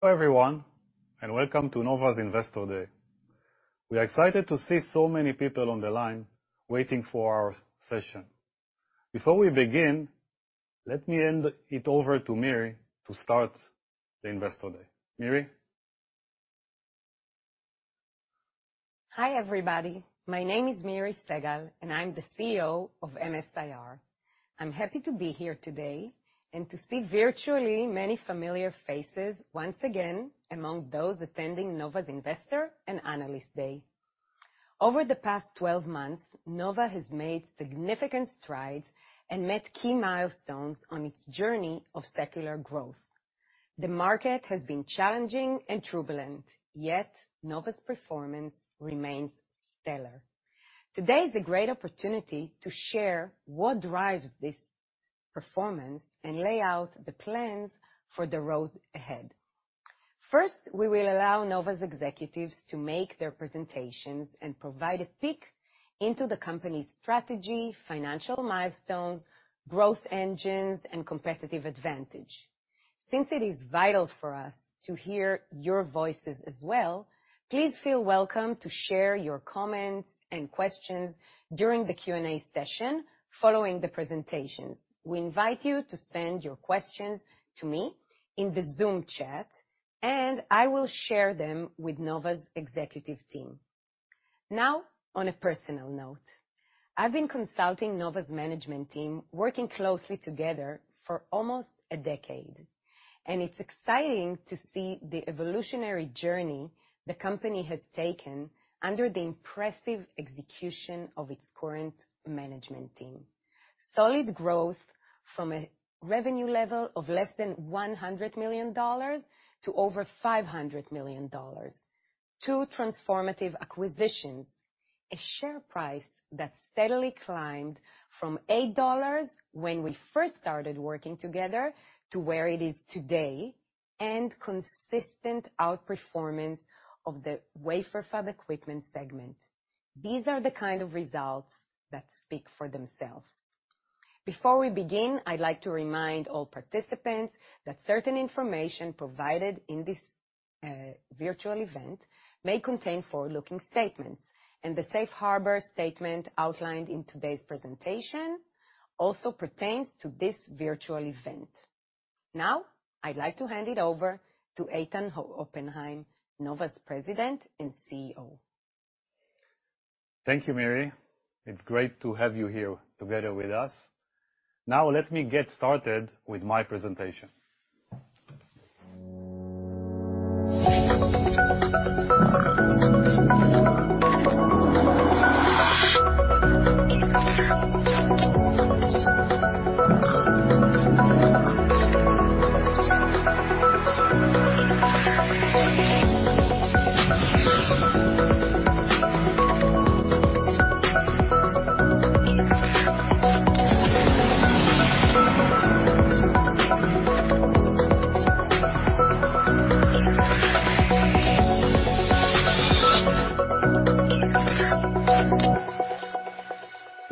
Hello everyone, and welcome to Nova's Investor Day. We are excited to see so many people on the line waiting for our session. Before we begin, let me hand it over to Miri to start the Investor Day. Miri? Hi everybody. My name is Miri Segal, and I'm the CEO of MS-IR. I'm happy to be here today and to see virtually many familiar faces once again among those attending Nova's Investor and Analyst Day. Over the past 12 months, Nova has made significant strides and met key milestones on its journey of secular growth. The market has been challenging and turbulent, yet Nova's performance remains stellar. Today is a great opportunity to share what drives this performance and lay out the plans for the road ahead. First, we will allow Nova's executives to make their presentations and provide a peek into the company's strategy, financial milestones, growth engines, and competitive advantage. Since it is vital for us to hear your voices as well, please feel welcome to share your comments and questions during the Q&A session following the presentations. We invite you to send your questions to me in the Zoom chat, and I will share them with Nova's executive team. Now, on a personal note, I've been consulting Nova's management team, working closely together for almost a decade, and it's exciting to see the evolutionary journey the company has taken under the impressive execution of its current management team. Solid growth from a revenue level of less than $100 million to over $500 million. Two transformative acquisitions. A share price that steadily climbed from $8 when we first started working together to where it is today, and consistent outperformance of the wafer fab equipment segment. These are the kind of results that speak for themselves. Before we begin, I'd like to remind all participants that certain information provided in this virtual event may contain forward-looking statements, and the safe harbor statement outlined in today's presentation also pertains to this virtual event. Now, I'd like to hand it over to Eitan Oppenhaim, Nova's President and CEO. Thank you, Miri. It's great to have you here together with us. Now, let me get started with my presentation.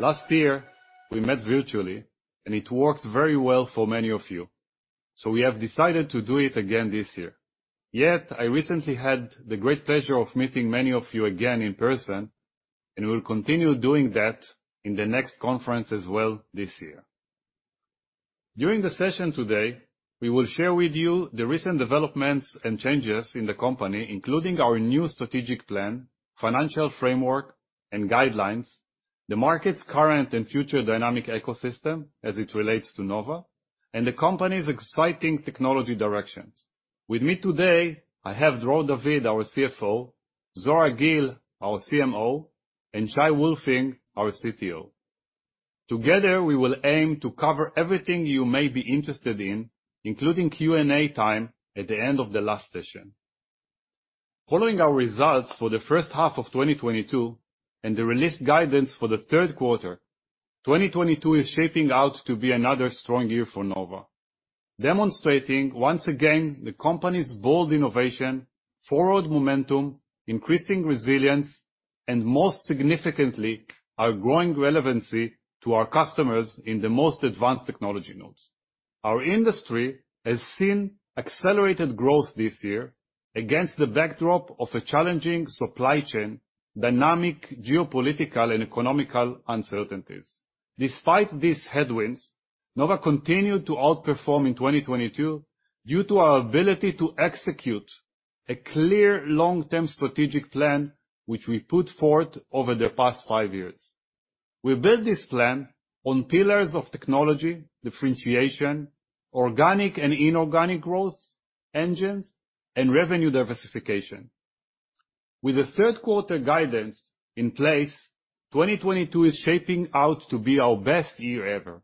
Last year, we met virtually, and it worked very well for many of you, so we have decided to do it again this year. Yet, I recently had the great pleasure of meeting many of you again in person, and we'll continue doing that in the next conference as well this year. During the session today, we will share with you the recent developments and changes in the company, including our new strategic plan, financial framework and guidelines, the market's current and future dynamic ecosystem as it relates to Nova, and the company's exciting technology directions. With me today, I have Dror David, our CFO, Zohar Gil, our CMO, and Shay Wolfling, our CTO. Together, we will aim to cover everything you may be interested in, including Q&A time at the end of the last session. Following our results for the first half of 2022 and the released guidance for the third quarter, 2022 is shaping up to be another strong year for Nova, demonstrating once again the company's bold innovation, forward momentum, increasing resilience, and most significantly, our growing relevancy to our customers in the most advanced technology nodes. Our industry has seen accelerated growth this year against the backdrop of a challenging supply chain, dynamic geopolitical and economic uncertainties. Despite these headwinds, Nova continued to outperform in 2022 due to our ability to execute a clear long-term strategic plan which we put forth over the past five years. We built this plan on pillars of technology, differentiation, organic and inorganic growth engines, and revenue diversification. With the third quarter guidance in place, 2022 is shaping out to be our best year ever.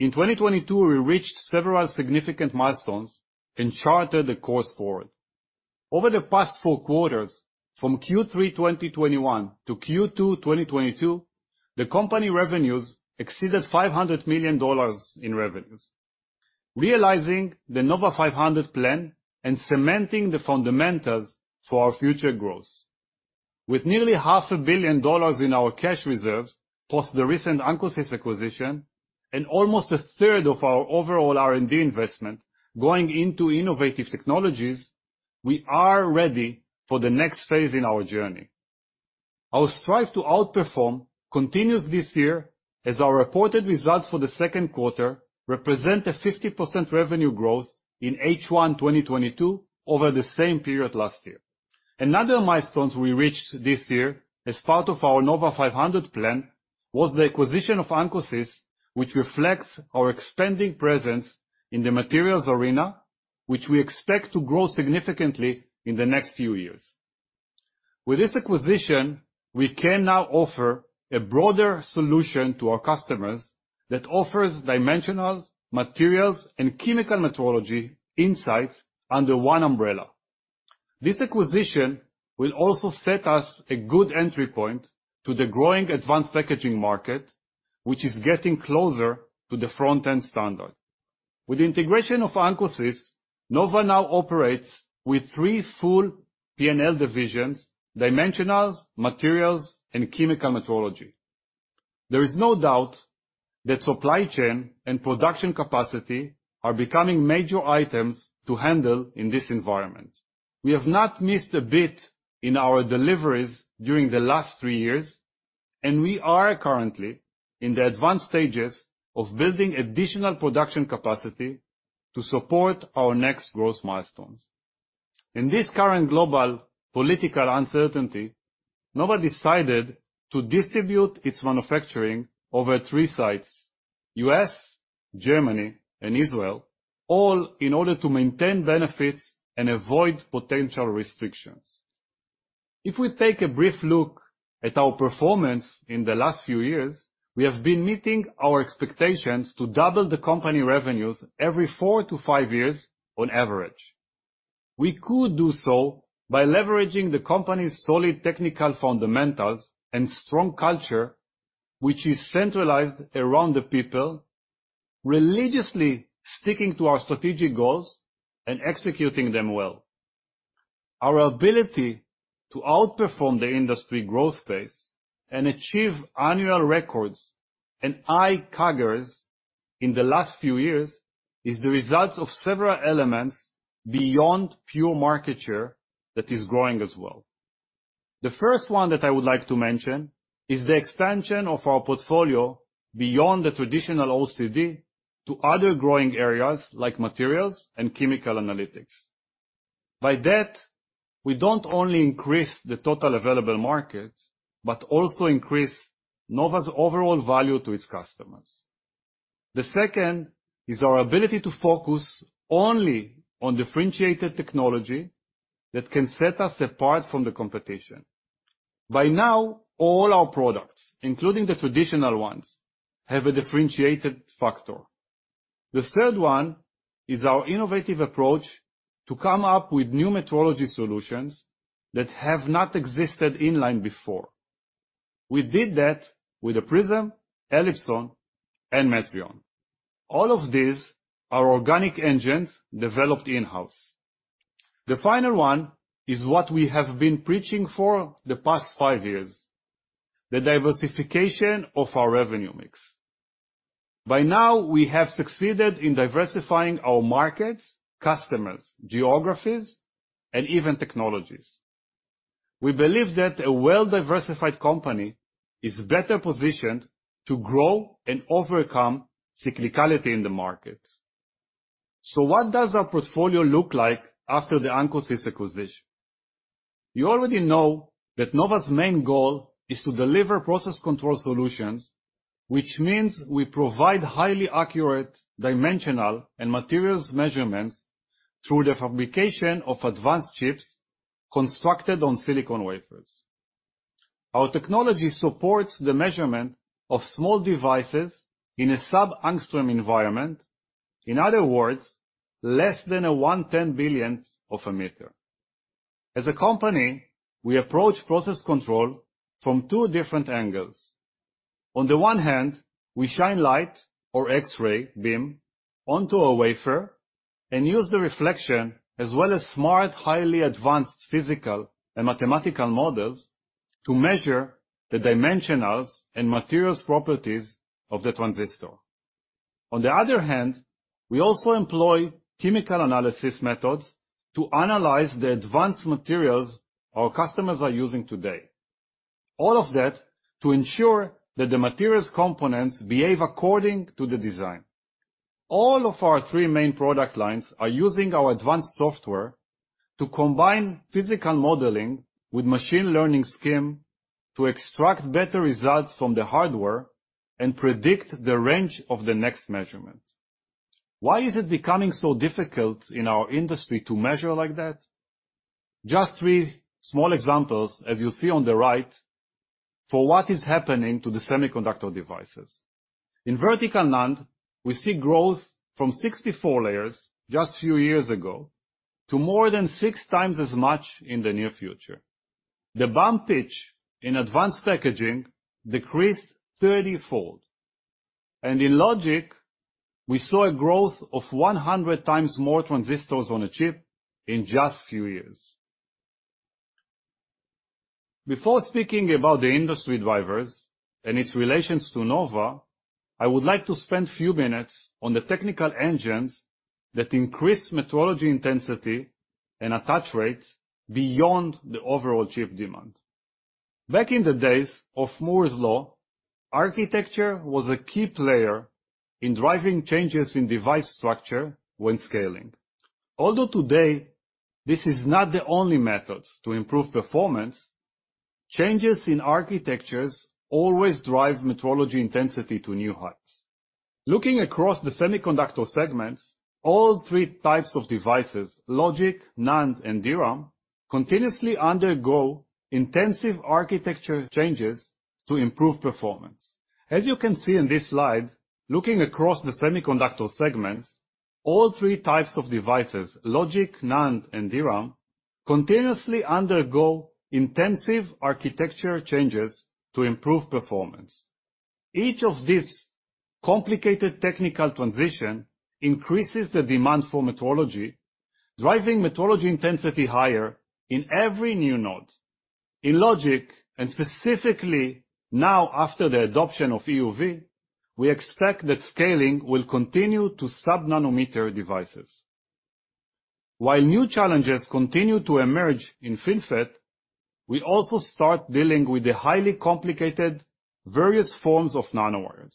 In 2022, we reached several significant milestones and chartered the course forward. Over the past four quarters, from Q3 2021-Q2 2022, the company revenues exceeded $500 million in revenues, realizing the Nova 500 plan and cementing the fundamentals for our future growth. With nearly $500 million in our cash reserves, plus the recent Ancosys acquisition, and almost a third of our overall R&D investment going into innovative technologies, we are ready for the next phase in our journey. Our strive to outperform continues this year as our reported results for the second quarter represent a 50% revenue growth in H1 2022 over the same period last year. Another milestone we reached this year as part of our Nova 500 plan was the acquisition of Ancosys, which reflects our expanding presence in the materials arena, which we expect to grow significantly in the next few years. With this acquisition, we can now offer a broader solution to our customers that offers dimensionals, materials, and chemical metrology insights under one umbrella. This acquisition will also set us a good entry point to the growing advanced packaging market, which is getting closer to the front-end standard. With the integration of Ancosys, Nova now operates with three full P&L divisions, dimensionals, materials, and chemical metrology. There is no doubt that supply chain and production capacity are becoming major items to handle in this environment. We have not missed a bit in our deliveries during the last three years, and we are currently in the advanced stages of building additional production capacity to support our next growth milestones. In this current global political uncertainty, Nova decided to distribute its manufacturing over three sites, U.S., Germany, and Israel, all in order to maintain benefits and avoid potential restrictions. If we take a brief look at our performance in the last few years, we have been meeting our expectations to double the company revenues every four to five years on average. We could do so by leveraging the company's solid technical fundamentals and strong culture, which is centralized around the people, religiously sticking to our strategic goals and executing them well. Our ability to outperform the industry growth pace and achieve annual records and high CAGRs in the last few years is the results of several elements beyond pure market share that is growing as well. The first one that I would like to mention is the expansion of our portfolio beyond the traditional OCD to other growing areas like materials and chemical analytics. By that, we don't only increase the total available market, but also increase Nova's overall value to its customers. The second is our ability to focus only on differentiated technology that can set us apart from the competition. By now, all our products, including the traditional ones, have a differentiated factor. The third one is our innovative approach to come up with new metrology solutions that have not existed in line before. We did that with the Prism, Elipson, and Metrion. All of these are organic engines developed in-house. The final one is what we have been preaching for the past five years, the diversification of our revenue mix. By now, we have succeeded in diversifying our markets, customers, geographies, and even technologies. We believe that a well-diversified company is better positioned to grow and overcome cyclicality in the market. What does our portfolio look like after the Ancosys acquisition? You already know that Nova's main goal is to deliver process control solutions, which means we provide highly accurate dimensional and materials measurements through the fabrication of advanced chips constructed on silicon wafers. Our technology supports the measurement of small devices in a sub-angstrom environment. In other words, less than a one ten-billionth of a meter. As a company, we approach process control from two different angles. On the one hand, we shine light or X-ray beam onto a wafer and use the reflection, as well as smart, highly advanced physical and mathematical models to measure the dimensionals and materials properties of the transistor. On the other hand, we also employ chemical analysis methods to analyze the advanced materials our customers are using today. All of that to ensure that the materials components behave according to the design. All of our three main product lines are using our advanced software to combine physical modeling with machine learning scheme to extract better results from the hardware and predict the range of the next measurement. Why is it becoming so difficult in our industry to measure like that? Just three small examples, as you see on the right, for what is happening to the semiconductor devices. In vertical NAND, we see growth from 64 layers just few years ago to more than six times as much in the near future. The bump pitch in advanced packaging decreased 30-fold. In logic, we saw a growth of 100 times more transistors on a chip in just few years. Before speaking about the industry drivers and its relations to Nova, I would like to spend few minutes on the technical engines that increase metrology intensity and attach rates beyond the overall chip demand. Back in the days of Moore's Law, architecture was a key player in driving changes in device structure when scaling. Although today, this is not the only methods to improve performance, changes in architectures always drive metrology intensity to new heights. Looking across the semiconductor segments, all three types of devices, logic, NAND, and DRAM, continuously undergo intensive architecture changes to improve performance. As you can see in this slide, looking across the semiconductor segments, all three types of devices, logic, NAND, and DRAM, continuously undergo intensive architecture changes to improve performance. Each of these complicated technical transition increases the demand for metrology, driving metrology intensity higher in every new node. In logic, and specifically now after the adoption of EUV, we expect that scaling will continue to sub-nanometer devices. While new challenges continue to emerge in FinFET, we also start dealing with the highly complicated various forms of nanowires.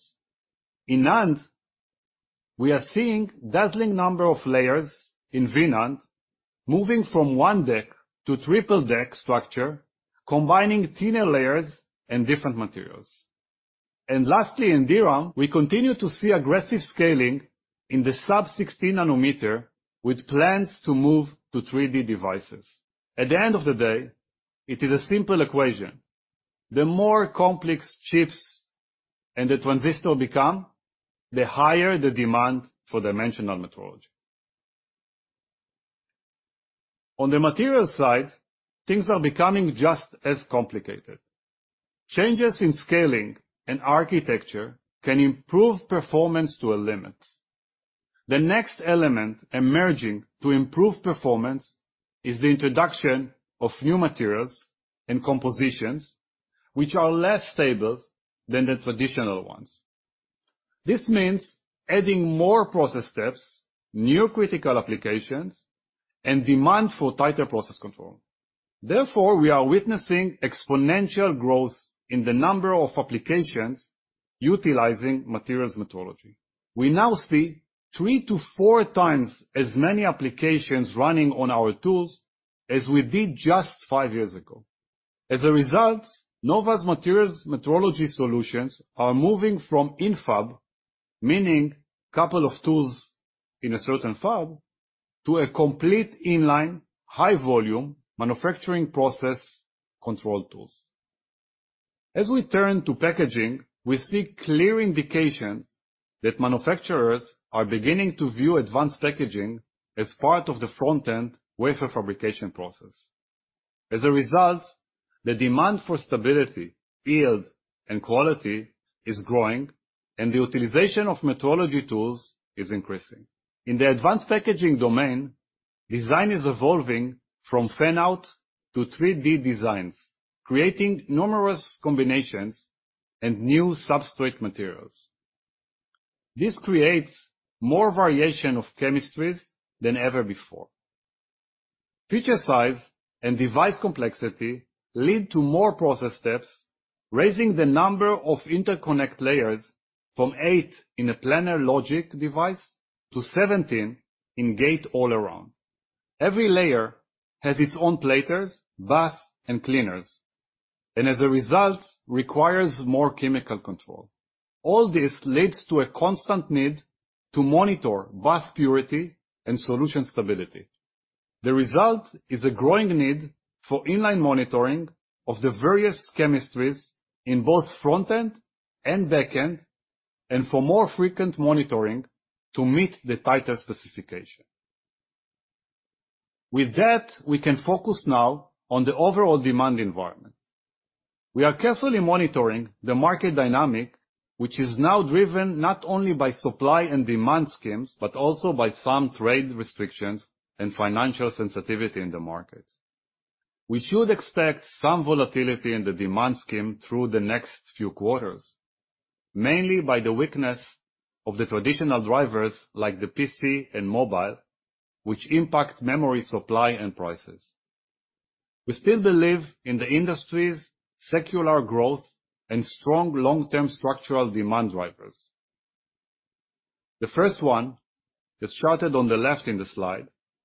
In NAND, we are seeing daunting number of layers in VNAND moving from one deck to triple deck structure, combining thinner layers and different materials. Lastly, in DRAM, we continue to see aggressive scaling in the sub-16 nanometer with plans to move to 3D devices. At the end of the day, it is a simple equation. The more complex the chips and the transistors become, the higher the demand for dimensional metrology. On the material side, things are becoming just as complicated. Changes in scaling and architecture can improve performance to a limit. The next element emerging to improve performance is the introduction of new materials and compositions which are less stable than the traditional ones. This means adding more process steps, new critical applications, and demand for tighter process control. Therefore, we are witnessing exponential growth in the number of applications utilizing materials metrology. We now see three-four times as many applications running on our tools as we did just five years ago. As a result, Nova's materials metrology solutions are moving from in-fab, meaning couple of tools in a certain fab, to a complete in-line, high volume manufacturing process control tools. As we turn to packaging, we see clear indications that manufacturers are beginning to view advanced packaging as part of the front-end wafer fabrication process. As a result, the demand for stability, yield, and quality is growing, and the utilization of metrology tools is increasing. In the advanced packaging domain, design is evolving from fan-out to 3D designs, creating numerous combinations and new substrate materials. This creates more variation of chemistries than ever before. Feature size and device complexity lead to more process steps, raising the number of interconnect layers from eight in a planar logic device to 17 in gate-all-around. Every layer has its own platers, bath, and cleaners, and as a result, requires more chemical control. All this leads to a constant need to monitor bath purity and solution stability. The result is a growing need for in-line monitoring of the various chemistries in both front-end and back-end, and for more frequent monitoring to meet the tighter specification. With that, we can focus now on the overall demand environment. We are carefully monitoring the market dynamic, which is now driven not only by supply and demand schemes, but also by some trade restrictions and financial sensitivity in the markets. We should expect some volatility in the demand scheme through the next few quarters, mainly by the weakness of the traditional drivers like the PC and mobile, which impact memory supply and prices. We still believe in the industry's secular growth and strong long-term structural demand drivers. The first one, that's charted on the left in the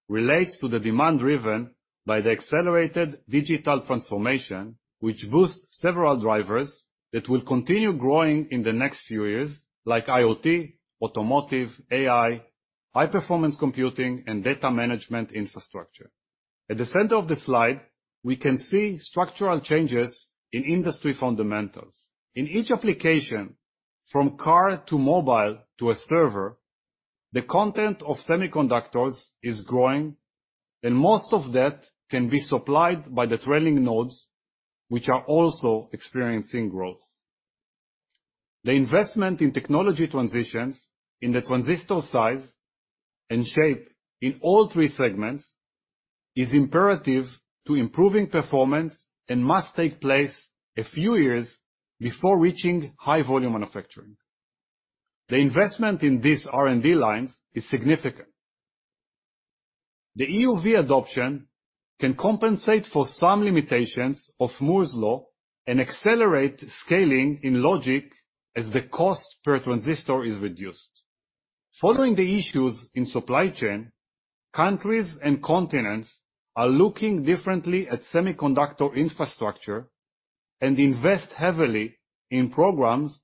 slide, relates to the demand driven by the accelerated digital transformation, which boosts several drivers that will continue growing in the next few years, like IoT, automotive, AI, high-performance computing, and data management infrastructure. At the center of the slide, we can see structural changes in industry fundamentals. In each application, from car to mobile to a server. The content of semiconductors is growing, and most of that can be supplied by the trailing nodes, which are also experiencing growth. The investment in technology transitions in the transistor size and shape in all three segments is imperative to improving performance and must take place a few years before reaching high volume manufacturing. The investment in these R&D lines is significant. The EUV adoption can compensate for some limitations of Moore's Law and accelerate scaling in logic as the cost per transistor is reduced. Following the issues in supply chain, countries and continents are looking differently at semiconductor infrastructure and invest heavily in programs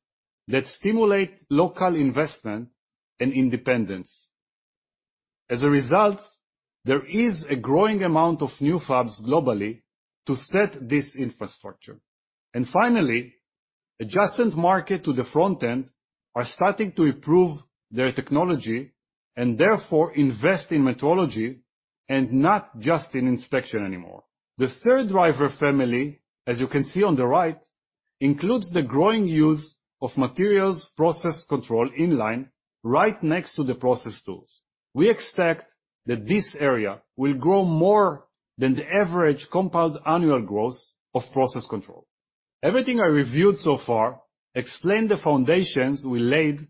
that stimulate local investment and independence. As a result, there is a growing amount of new fabs globally to set this infrastructure. Finally, adjacent market to the front end are starting to improve their technology and therefore invest in metrology and not just in inspection anymore. The third driver family, as you can see on the right, includes the growing use of materials process control in line right next to the process tools. We expect that this area will grow more than the average compound annual growth of process control. Everything I reviewed so far explained the foundations we laid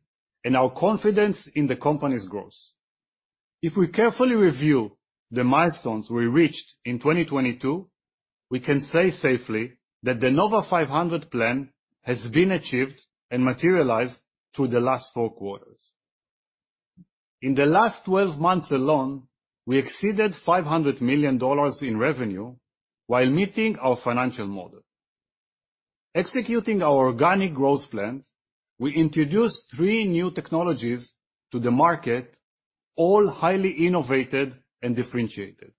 and our confidence in the company's growth. If we carefully review the milestones we reached in 2022, we can say safely that the Nova 500 plan has been achieved and materialized through the last four quarters. In the last 12 months alone, we exceeded $500 million in revenue while meeting our financial model. Executing our organic growth plans, we introduced three new technologies to the market, all highly innovated and differentiated.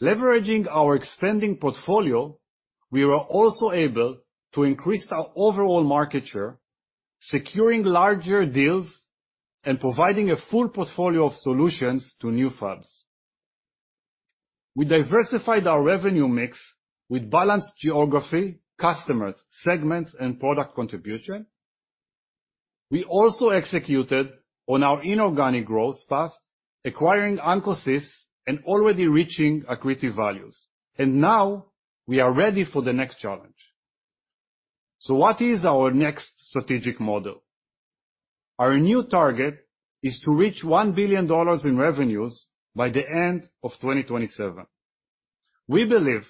Leveraging our expanding portfolio, we were also able to increase our overall market share, securing larger deals and providing a full portfolio of solutions to new fabs. We diversified our revenue mix with balanced geography, customers, segments, and product contribution. We also executed on our inorganic growth path, acquiring Ancosys and already reaching accretive values. Now we are ready for the next challenge. What is our next strategic model? Our new target is to reach $1 billion in revenues by the end of 2027. We believe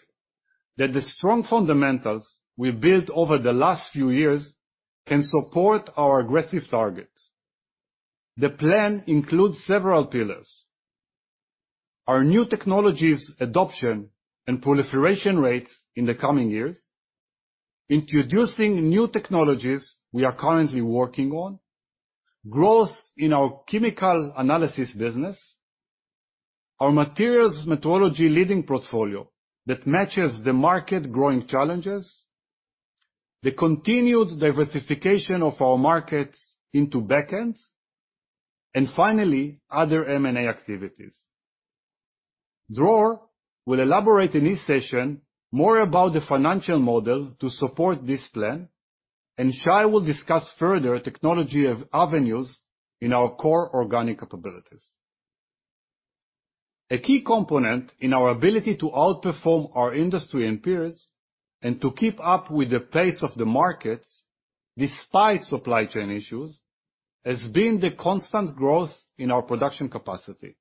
that the strong fundamentals we built over the last few years can support our aggressive targets. The plan includes several pillars. Our new technologies adoption and proliferation rates in the coming years. Introducing new technologies we are currently working on. Growth in our chemical analysis business. Our materials metrology leading portfolio that matches the market growing challenges. The continued diversification of our markets into back ends. Finally, other M&A activities. Dror will elaborate in his session more about the financial model to support this plan, and Shay will discuss further technology avenues in our core organic capabilities. A key component in our ability to outperform our industry and peers and to keep up with the pace of the markets despite supply chain issues has been the constant growth in our production capacity.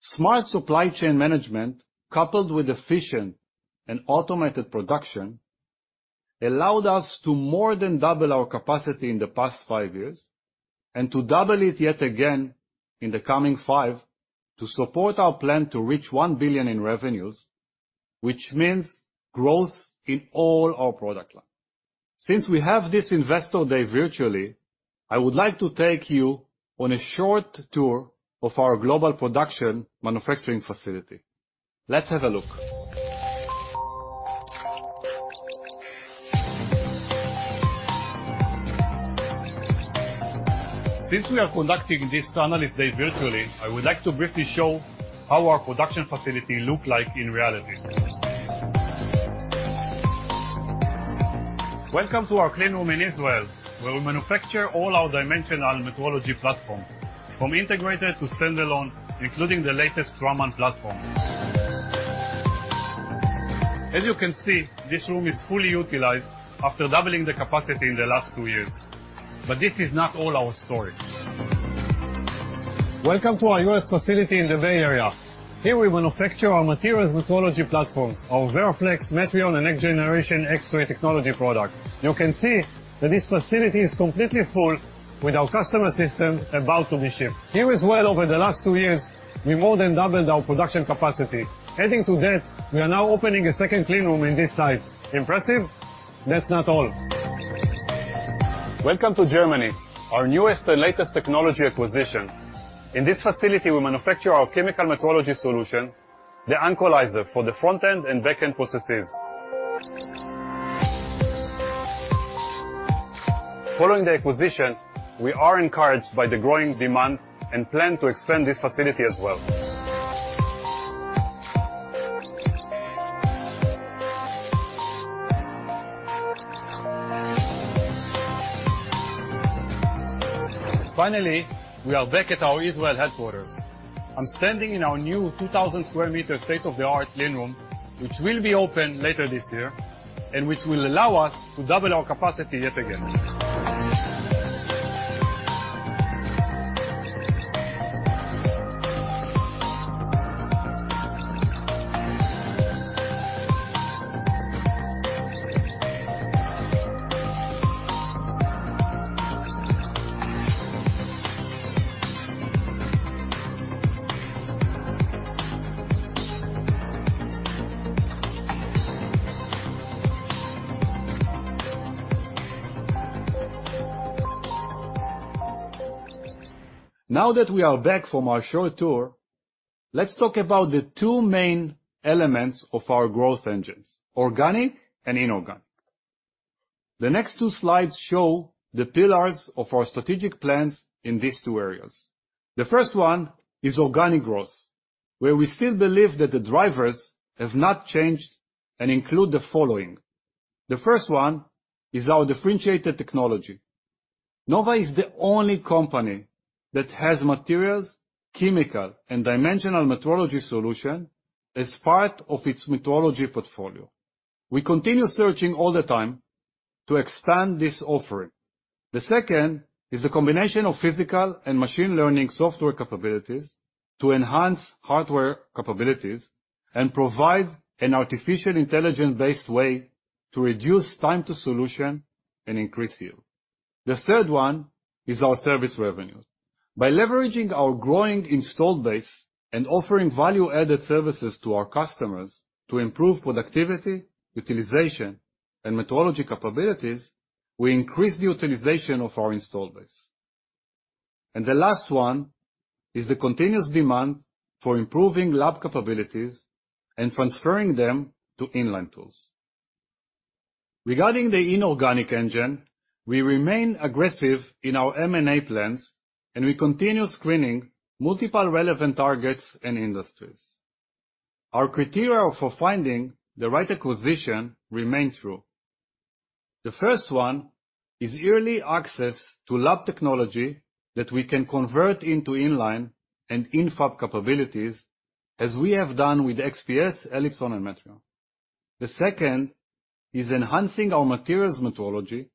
Smart supply chain management, coupled with efficient and automated production, allowed us to more than double our capacity in the past five years and to double it yet again in the coming five to support our plan to reach $1 billion in revenues, which means growth in all our product line. Since we have this Investor Day virtually, I would like to take you on a short tour of our global production manufacturing facility. Let's have a look. Since we are conducting this Analyst Day virtually, I would like to briefly show how our production facility look like in reality. Welcome to our clean room in Israel, where we manufacture all our dimensional metrology platforms, from integrated to standalone, including the latest Truman platform. As you can see, this room is fully utilized after doubling the capacity in the last two years. This is not all our story. Welcome to our U.S. facility in the Bay Area. Here we manufacture our materials metrology platforms, our VeraFlex, Metrion, and next generation X-ray technology products. You can see that this facility is completely full with our customer system about to be shipped. Here as well, over the last two years, we more than doubled our production capacity. Adding to that, we are now opening a second clean room in this site. Impressive. That's not all. Welcome to Germany, our newest and latest technology acquisition. In this facility, we manufacture our chemical metrology solution, the ancolyzer for the front-end and back-end processes. Following the acquisition, we are encouraged by the growing demand and plan to expand this facility as well. Finally, we are back at our Israeli headquarters. I'm standing in our new 2,000 square meter state-of-the-art clean room, which will be open later this year, and which will allow us to double our capacity yet again. Now that we are back from our short tour, let's talk about the two main elements of our growth engines, organic and inorganic. The next two slides show the pillars of our strategic plans in these two areas. The first one is organic growth, where we still believe that the drivers have not changed and include the following. The first one is our differentiated technology. Nova is the only company that has materials, chemical, and dimensional metrology solution as part of its metrology portfolio. We continue searching all the time to expand this offering. The second is the combination of physical and machine learning software capabilities to enhance hardware capabilities and provide an artificial intelligence-based way to reduce time to solution and increase yield. The third one is our service revenues. By leveraging our growing install base and offering value-added services to our customers to improve productivity, utilization, and metrology capabilities, we increase the utilization of our install base. The last one is the continuous demand for improving lab capabilities and transferring them to inline tools. Regarding the inorganic engine, we remain aggressive in our M&A plans, and we continue screening multiple relevant targets and industries. Our criteria for finding the right acquisition remain true. The first one is early access to lab technology that we can convert into inline and in-fab capabilities, as we have done with XPS, Elipson, and Metrion. The second is enhancing our materials metrology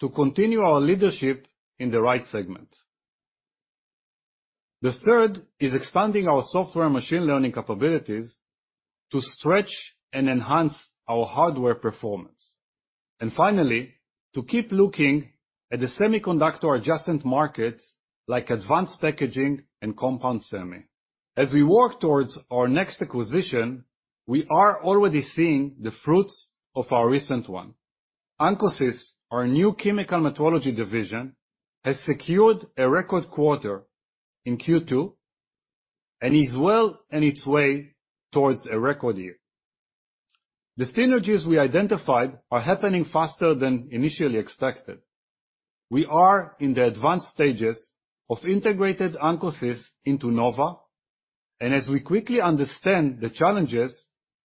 to continue our leadership in the right segment. The third is expanding our software machine learning capabilities to stretch and enhance our hardware performance. Finally, to keep looking at the semiconductor adjacent markets like advanced packaging and compound semi. As we work towards our next acquisition, we are already seeing the fruits of our recent one. Ancosys, our new chemical metrology division, has secured a record quarter in Q2 and is well on its way towards a record year. The synergies we identified are happening faster than initially expected. We are in the advanced stages of integrating Ancosys into Nova. As we quickly understand the challenges,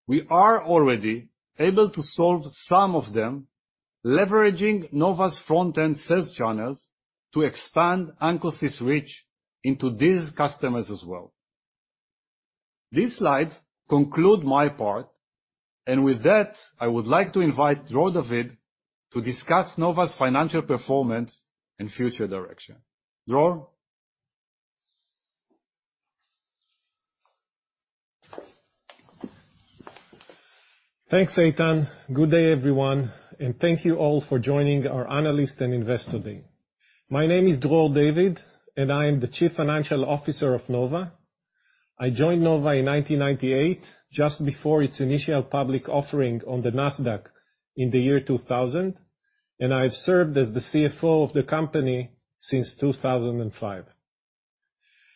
we are already able to solve some of them, leveraging Nova's front-end sales channels to expand Ancosys reach into these customers as well. These slides conclude my part, and with that, I would like to invite Dror David to discuss Nova's financial performance and future direction. Dror? Thanks, Eitan Oppenhaim. Good day, everyone, and thank you all for joining our analyst and investor day. My name is Dror David, and I am the Chief Financial Officer of Nova. I joined Nova in 1998, just before its initial public offering on the Nasdaq in the year 2000, and I've served as the CFO of the company since 2005.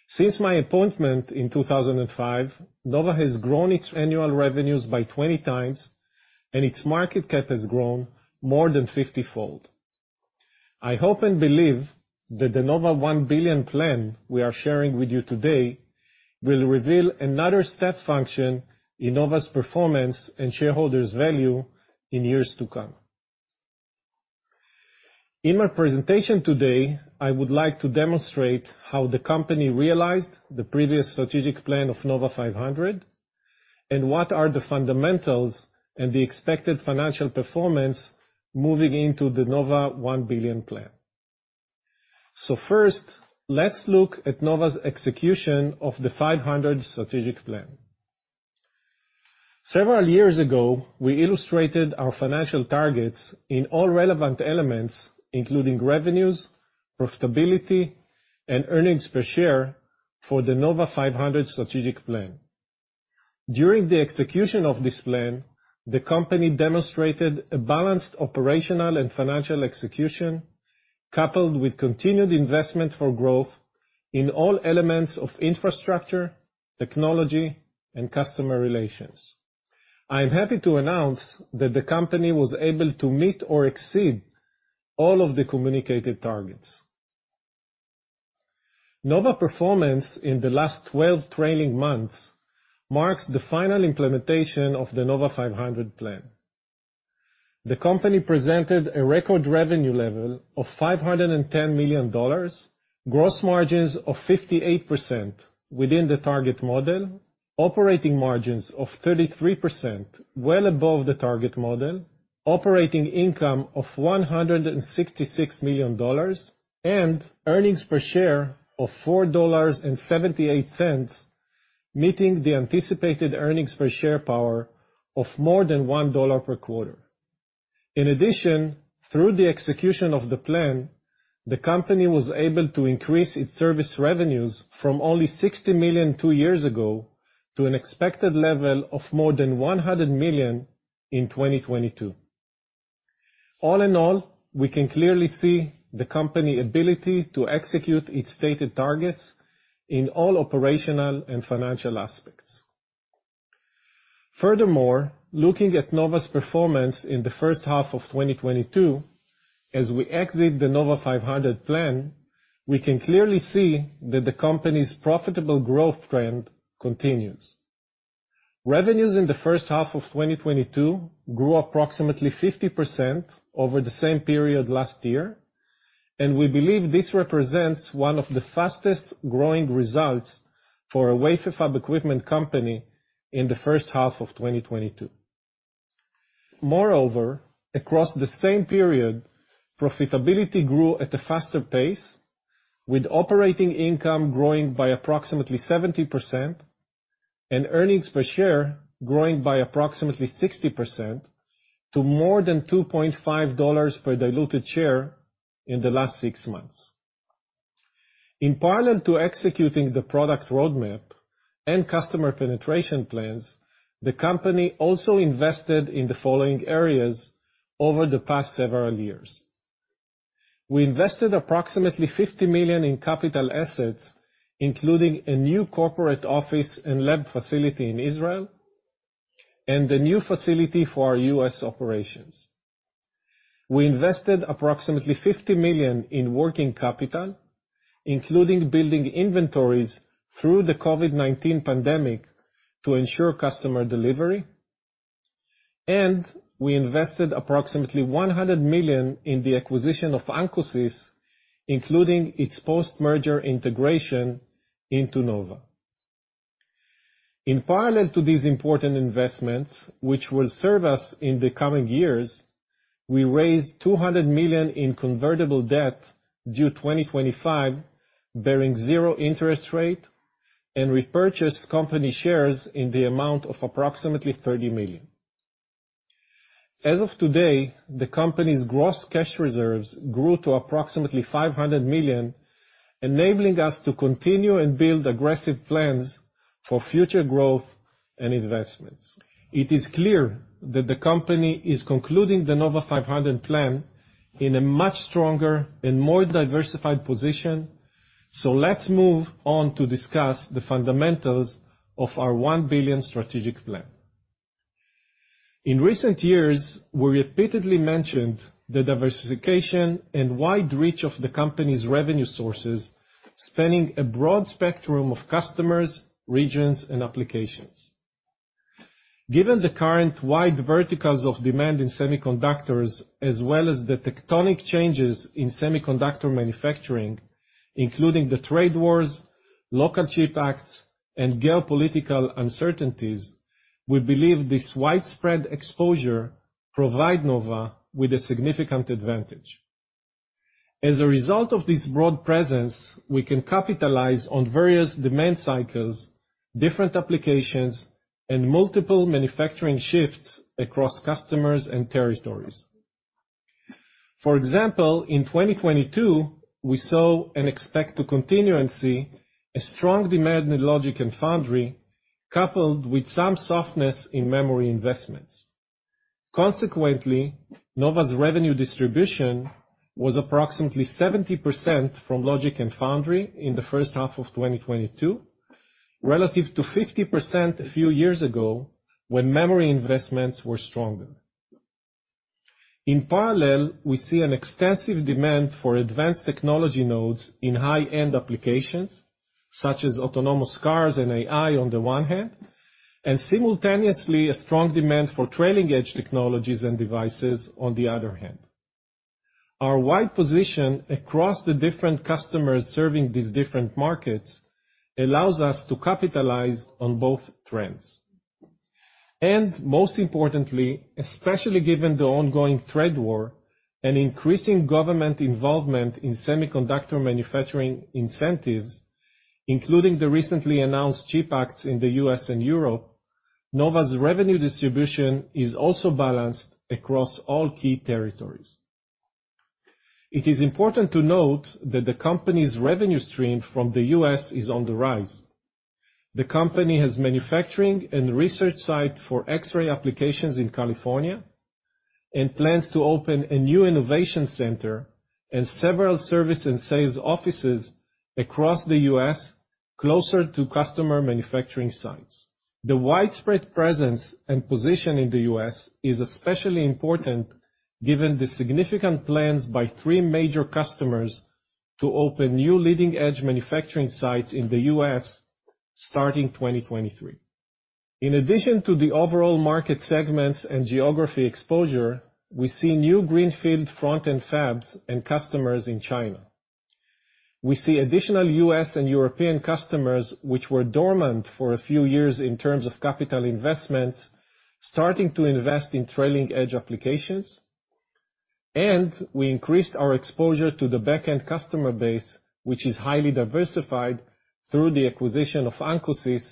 Since my appointment in 2005, Nova has grown its annual revenues by 20 times, and its market cap has grown more than 50-fold. I hope and believe that the Nova $1 billion plan we are sharing with you today will reveal another step function in Nova's performance and shareholders' value in years to come. In my presentation today, I would like to demonstrate how the company realized the previous strategic plan of Nova 500 and what are the fundamentals and the expected financial performance moving into the Nova $1 billion plan. First, let's look at Nova's execution of the 500 strategic plan. Several years ago, we illustrated our financial targets in all relevant elements, including revenues, profitability, and earnings per share for the Nova 500 strategic plan. During the execution of this plan, the company demonstrated a balanced operational and financial execution. Coupled with continued investment for growth in all elements of infrastructure, technology, and customer relations. I'm happy to announce that the company was able to meet or exceed all of the communicated targets. Nova's performance in the last 12 trailing months marks the final implementation of the Nova 500 plan. The company presented a record revenue level of $510 million, gross margins of 58% within the target model, operating margins of 33%, well above the target model, operating income of $166 million, and earnings per share of $4.78, meeting the anticipated earnings per share power of more than $1 per quarter. In addition, through the execution of the plan, the company was able to increase its service revenues from only $60 million two years ago to an expected level of more than $100 million in 2022. All in all, we can clearly see the company's ability to execute its stated targets in all operational and financial aspects. Furthermore, looking at Nova's performance in the first half of 2022, as we exit the Nova 500 plan, we can clearly see that the company's profitable growth trend continues. Revenues in the first half of 2022 grew approximately 50% over the same period last year, and we believe this represents one of the fastest-growing results for a wafer fab equipment company in the first half of 2022. Moreover, across the same period, profitability grew at a faster pace, with operating income growing by approximately 70% and earnings per share growing by approximately 60% to more than $2.5 per diluted share in the last six months. In parallel to executing the product roadmap and customer penetration plans, the company also invested in the following areas over the past several years. We invested approximately $50 million in capital assets, including a new corporate office and lab facility in Israel and a new facility for our U.S. operations. We invested approximately $50 million in working capital, including building inventories through the COVID-19 pandemic to ensure customer delivery. We invested approximately $100 million in the acquisition of Ancosys, including its post-merger integration into Nova. In parallel to these important investments, which will serve us in the coming years, we raised $200 million in convertible debt due 2025, bearing 0% interest rate, and repurchased company shares in the amount of approximately $30 million. As of today, the company's gross cash reserves grew to approximately $500 million, enabling us to continue and build aggressive plans for future growth and investments. It is clear that the company is concluding the Nova 500 plan in a much stronger and more diversified position. Let's move on to discuss the fundamentals of our $1 billion strategic plan. In recent years, we repeatedly mentioned the diversification and wide reach of the company's revenue sources, spanning a broad spectrum of customers, regions, and applications. Given the current wide verticals of demand in semiconductors, as well as the tectonic changes in semiconductor manufacturing, including the trade wars, local chip acts, and geopolitical uncertainties, we believe this widespread exposure provide Nova with a significant advantage. As a result of this broad presence, we can capitalize on various demand cycles, different applications, and multiple manufacturing shifts across customers and territories. For example, in 2022, we saw and expect to continue and see a strong demand in logic and foundry, coupled with some softness in memory investments. Consequently, Nova's revenue distribution was approximately 70% from logic and foundry in the first half of 2022, relative to 50% a few years ago when memory investments were stronger. In parallel, we see an extensive demand for advanced technology nodes in high-end applications, such as autonomous cars and AI on the one hand, and simultaneously a strong demand for trailing edge technologies and devices on the other hand. Our wide position across the different customers serving these different markets allows us to capitalize on both trends. Most importantly, especially given the ongoing trade war and increasing government involvement in semiconductor manufacturing incentives, including the recently announced CHIPS Acts in the U.S. and Europe, Nova's revenue distribution is also balanced across all key territories. It is important to note that the company's revenue stream from the U.S. is on the rise. The company has manufacturing and research site for X-ray applications in California, and plans to open a new innovation center and several service and sales offices across the U.S., closer to customer manufacturing sites. The widespread presence and position in the U.S. is especially important given the significant plans by three major customers to open new leading-edge manufacturing sites in the U.S. starting 2023. In addition to the overall market segments and geography exposure, we see new greenfield front-end fabs and customers in China. We see additional U.S. and European customers, which were dormant for a few years in terms of capital investments, starting to invest in trailing edge applications. We increased our exposure to the back-end customer base, which is highly diversified through the acquisition of Ancosys,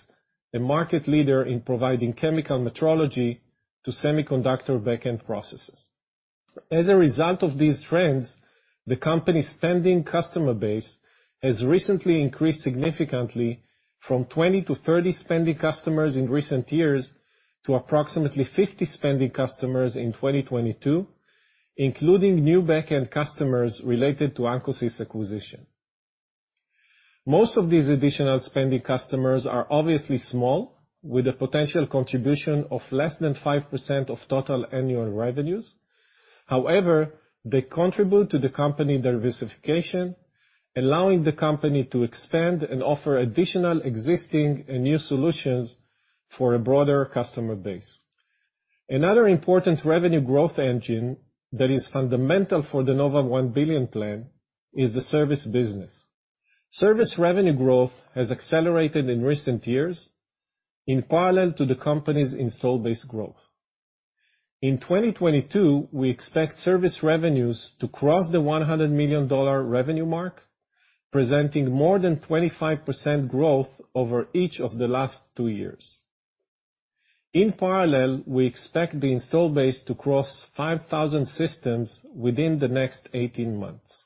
a market leader in providing chemical metrology to semiconductor back-end processes. As a result of these trends, the company's spending customer base has recently increased significantly from 20-30 spending customers in recent years to approximately 50 spending customers in 2022, including new back-end customers related to Ancosys acquisition. Most of these additional spending customers are obviously small, with a potential contribution of less than 5% of total annual revenues. However, they contribute to the company diversification, allowing the company to expand and offer additional existing and new solutions for a broader customer base. Another important revenue growth engine that is fundamental for the Nova $1 billion plan is the service business. Service revenue growth has accelerated in recent years in parallel to the company's installed base growth. In 2022, we expect service revenues to cross the $100 million revenue mark, presenting more than 25% growth over each of the last two years. In parallel, we expect the install base to cross 5,000 systems within the next 18 months.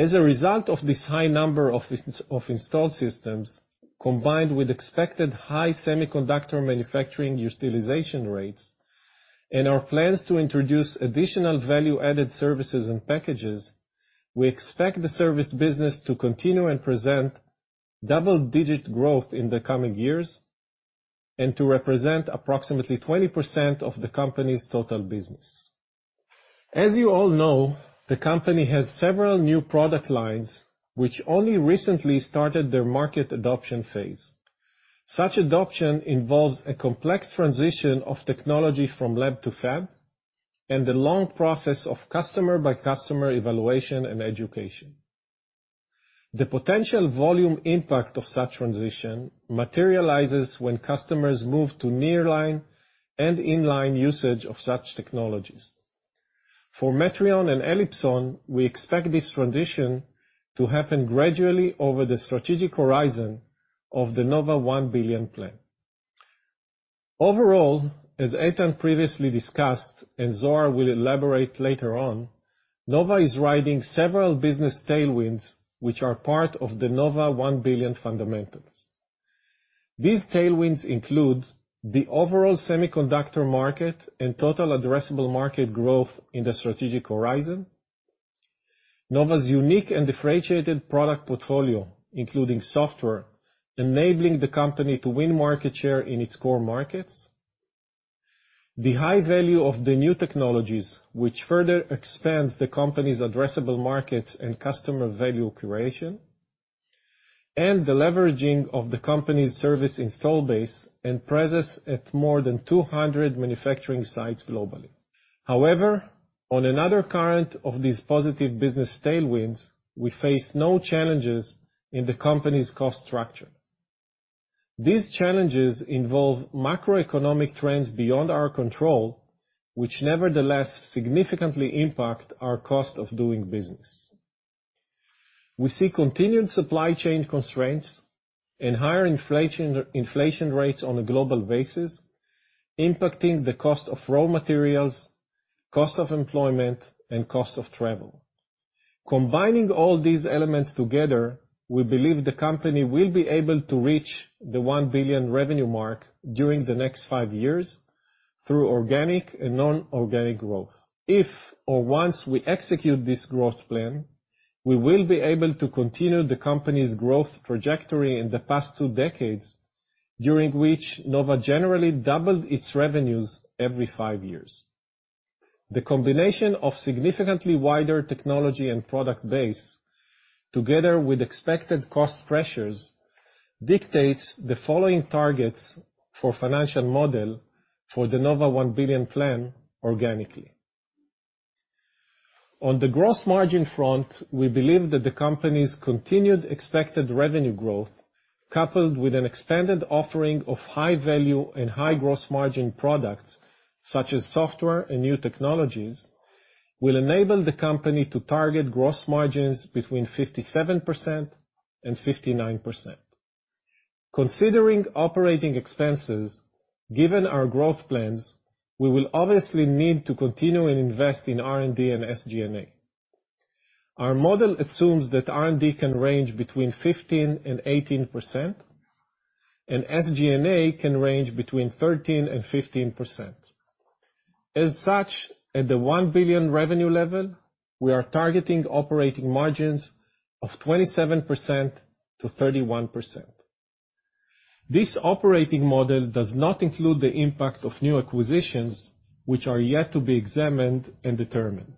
As a result of this high number of installed systems, combined with expected high semiconductor manufacturing utilization rates and our plans to introduce additional value-added services and packages, we expect the service business to continue and present double-digit growth in the coming years, and to represent approximately 20% of the company's total business. As you all know, the company has several new product lines which only recently started their market adoption phase. Such adoption involves a complex transition of technology from lab to fab and the long process of customer-by-customer evaluation and education. The potential volume impact of such transition materializes when customers move to nearline and inline usage of such technologies. For Metrion and Elipson, we expect this transition to happen gradually over the strategic horizon of the Nova $1 billion plan. Overall, as Eitan previously discussed, and Zohar will elaborate later on, Nova is riding several business tailwinds, which are part of the Nova $1 billion fundamentals. These tailwinds include the overall semiconductor market and total addressable market growth in the strategic horizon. Nova's unique and differentiated product portfolio, including software, enabling the company to win market share in its core markets. The high value of the new technologies, which further expands the company's addressable markets and customer value creation. The leveraging of the company's service install base and presence at more than 200 manufacturing sites globally. However, on another current of these positive business tailwinds, we face no challenges in the company's cost structure. These challenges involve macroeconomic trends beyond our control, which nevertheless significantly impact our cost of doing business. We see continued supply chain constraints and higher inflation rates on a global basis, impacting the cost of raw materials, cost of employment, and cost of travel. Combining all these elements together, we believe the company will be able to reach the $1 billion revenue mark during the next five years through organic and non-organic growth. If or once we execute this growth plan, we will be able to continue the company's growth trajectory in the past two decades, during which Nova generally doubled its revenues every five years. The combination of significantly wider technology and product base, together with expected cost pressures, dictates the following targets for financial model for the Nova $1 billion plan organically. On the gross margin front, we believe that the company's continued expected revenue growth, coupled with an expanded offering of high value and high gross margin products such as software and new technologies, will enable the company to target gross margins between 57% and 59%. Considering operating expenses, given our growth plans, we will obviously need to continue and invest in R&D and SG&A. Our model assumes that R&D can range between 15% and 18%, and SG&A can range between 13% and 15%. As such, at the $1 billion revenue level, we are targeting operating margins of 27%-31%. This operating model does not include the impact of new acquisitions which are yet to be examined and determined.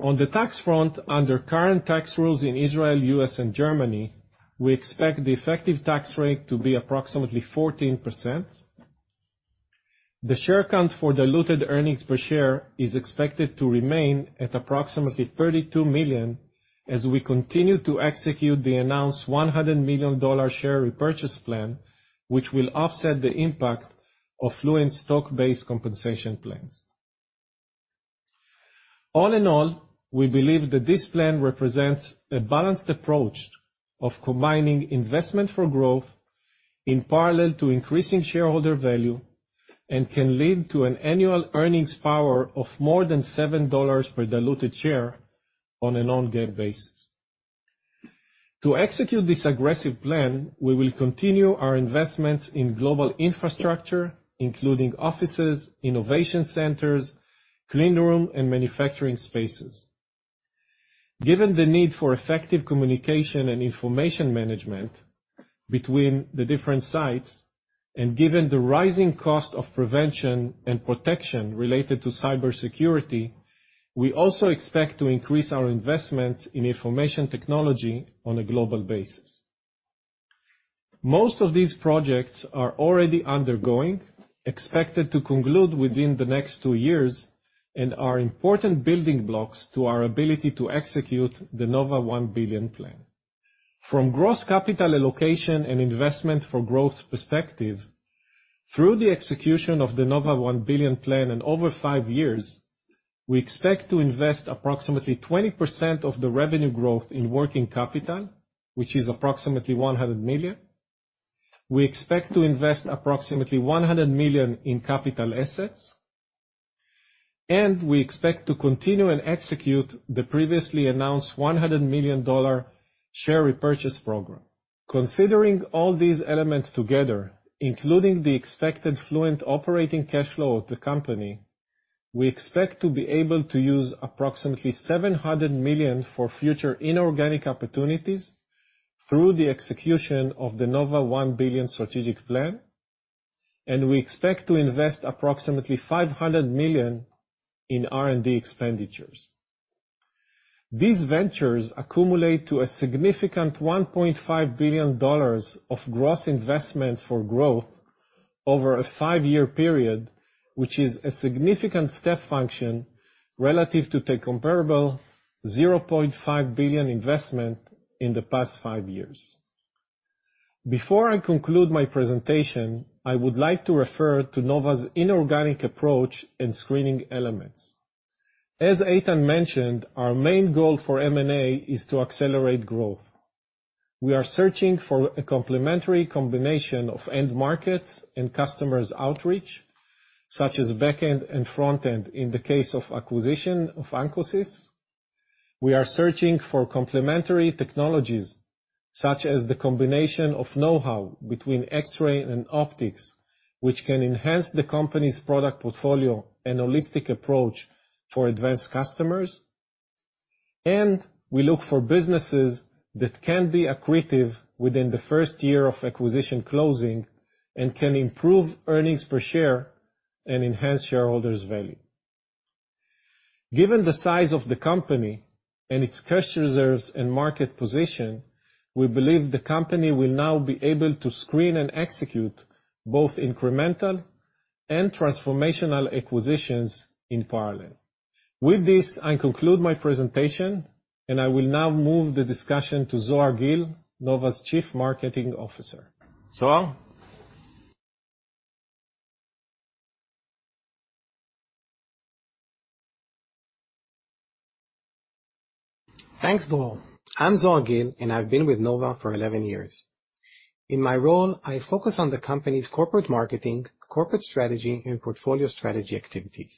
On the tax front, under current tax rules in Israel, U.S., and Germany, we expect the effective tax rate to be approximately 14%. The share count for diluted earnings per share is expected to remain at approximately 32 million as we continue to execute the announced $100 million share repurchase plan, which will offset the impact of dilutive stock-based compensation plans. All in all, we believe that this plan represents a balanced approach of combining investment for growth in parallel to increasing shareholder value and can lead to an annual earnings power of more than $7 per diluted share on a non-GAAP basis. To execute this aggressive plan, we will continue our investments in global infrastructure, including offices, innovation centers, clean room, and manufacturing spaces. Given the need for effective communication and information management between the different sites, and given the rising cost of prevention and protection related to cybersecurity, we also expect to increase our investments in information technology on a global basis. Most of these projects are already undergoing, expected to conclude within the next two years, and are important building blocks to our ability to execute the Nova $1 billion plan. From gross capital allocation and investment for growth perspective, through the execution of the Nova $1 billion plan in over five years, we expect to invest approximately 20% of the revenue growth in working capital, which is approximately $100 million. We expect to invest approximately $100 million in capital assets, and we expect to continue and execute the previously announced $100 million share repurchase program. Considering all these elements together, including the expected free operating cash flow of the company, we expect to be able to use approximately $700 million for future inorganic opportunities through the execution of the Nova $1 billion strategic plan, and we expect to invest approximately $500 million in R&D expenditures. These ventures accumulate to a significant $1.5 billion of gross investments for growth over a five-year period, which is a significant step function relative to the comparable $0.5 billion investment in the past five years. Before I conclude my presentation, I would like to refer to Nova's inorganic approach in screening elements. As Eitan Oppenheim mentioned, our main goal for M&A is to accelerate growth. We are searching for a complementary combination of end markets and customers outreach, such as back-end and front-end in the case of acquisition of Ancosys. We are searching for complementary technologies, such as the combination of know-how between X-ray and optics, which can enhance the company's product portfolio and holistic approach for advanced customers. We look for businesses that can be accretive within the first year of acquisition closing and can improve earnings per share and enhance shareholders' value. Given the size of the company and its cash reserves and market position, we believe the company will now be able to screen and execute both incremental and transformational acquisitions in parallel. With this, I conclude my presentation, and I will now move the discussion to Zohar Gil, Nova's Chief Marketing Officer. Zohar? Thanks, Boaz. I'm Zohar Gil, and I've been with Nova for 11 years. In my role, I focus on the company's corporate marketing, corporate strategy, and portfolio strategy activities.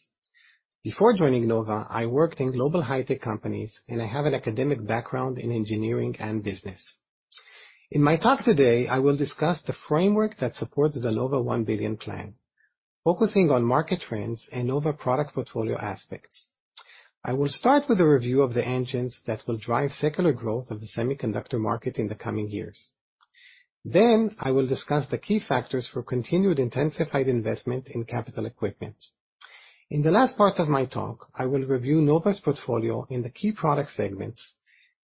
Before joining Nova, I worked in global high-tech companies, and I have an academic background in engineering and business. In my talk today, I will discuss the framework that supports the Nova $1 billion plan, focusing on market trends and Nova product portfolio aspects. I will start with a review of the engines that will drive secular growth of the semiconductor market in the coming years. I will discuss the key factors for continued intensified investment in capital equipment. In the last part of my talk, I will review Nova's portfolio in the key product segments,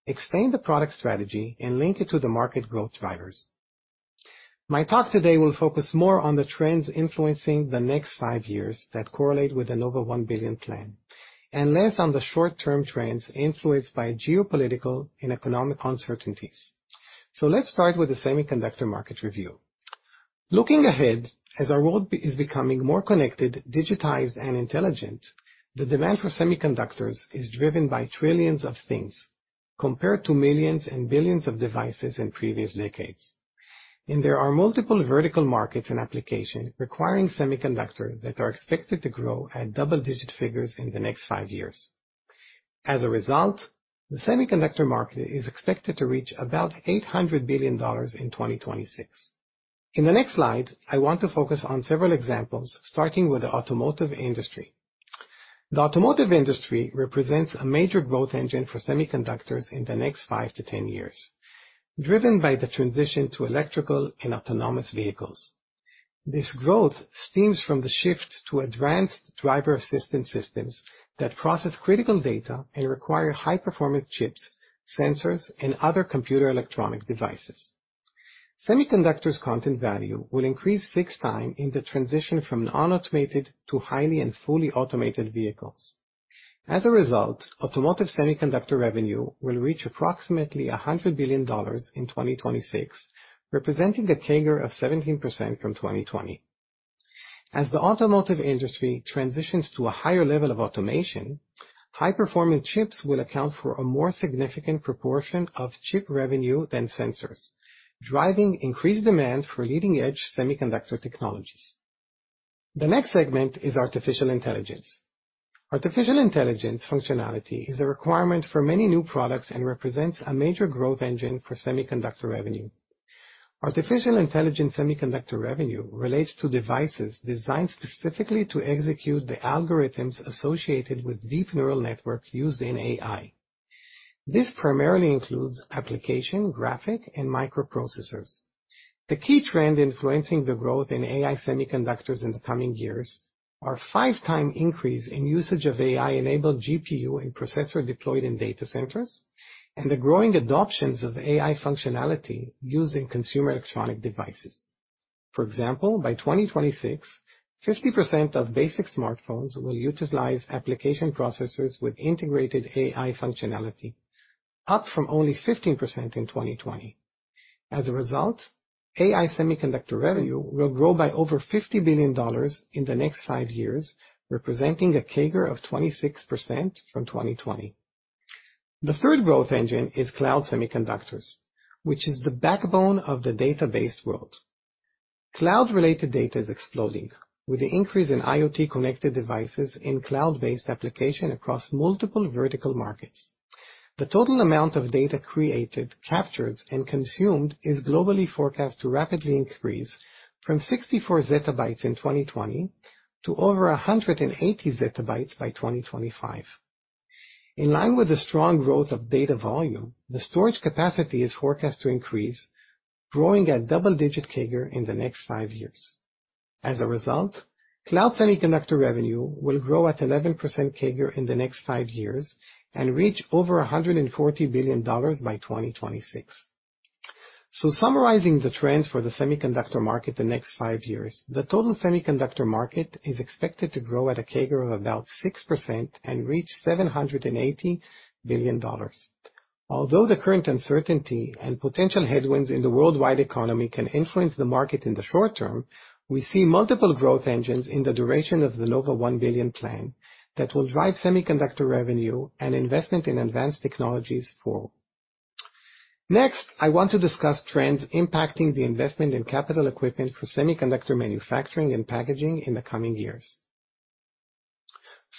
explain the product strategy, and link it to the market growth drivers. My talk today will focus more on the trends influencing the next five years that correlate with the Nova $1 billion plan and less on the short-term trends influenced by geopolitical and economic uncertainties. Let's start with the semiconductor market review. Looking ahead, as our world is becoming more connected, digitized, and intelligent, the demand for semiconductors is driven by trillions of things. Compared to millions and billions of devices in previous decades. There are multiple vertical markets and applications requiring semiconductors that are expected to grow at double-digit figures in the next five years. As a result, the semiconductor market is expected to reach about $800 billion in 2026. In the next slide, I want to focus on several examples, starting with the automotive industry. The automotive industry represents a major growth engine for semiconductors in the next 5-10 years, driven by the transition to electrical and autonomous vehicles. This growth stems from the shift to advanced driver assistance systems that process critical data and require high performance chips, sensors, and other computer electronic devices. Semiconductors content value will increase 6 times in the transition from non-automated to highly and fully automated vehicles. As a result, automotive semiconductor revenue will reach approximately $100 billion in 2026, representing a CAGR of 17% from 2020. As the automotive industry transitions to a higher level of automation, high-performing chips will account for a more significant proportion of chip revenue than sensors, driving increased demand for leading-edge semiconductor technologies. The next segment is artificial intelligence. Artificial intelligence functionality is a requirement for many new products and represents a major growth engine for semiconductor revenue. Artificial intelligence semiconductor revenue relates to devices designed specifically to execute the algorithms associated with deep neural network used in AI. This primarily includes application, graphic, and microprocessors. The key trend influencing the growth in AI semiconductors in the coming years are five times increase in usage of AI-enabled GPU and processor deployed in data centers, and the growing adoption of AI functionality used in consumer electronic devices. For example, by 2026, 50% of basic smartphones will utilize application processors with integrated AI functionality, up from only 15% in 2020. As a result, AI semiconductor revenue will grow by over $50 billion in the next five years, representing a CAGR of 26% from 2020. The third growth engine is cloud semiconductors, which is the backbone of the data-based world. Cloud-related data is exploding with the increase in IoT connected devices in cloud-based application across multiple vertical markets. The total amount of data created, captured, and consumed is globally forecast to rapidly increase from 64 zettabytes in 2020 to over 180 zettabytes by 2025. In line with the strong growth of data volume, the storage capacity is forecast to increase, growing at double-digit CAGR in the next five years. As a result, cloud semiconductor revenue will grow at 11% CAGR in the next five years and reach over $140 billion by 2026. Summarizing the trends for the semiconductor market the next five years, the total semiconductor market is expected to grow at a CAGR of about 6% and reach $780 billion. Although the current uncertainty and potential headwinds in the worldwide economy can influence the market in the short term, we see multiple growth engines in the duration of the Nova $1 billion plan that will drive semiconductor revenue and investment in advanced technologies forward. Next, I want to discuss trends impacting the investment in capital equipment for semiconductor manufacturing and packaging in the coming years.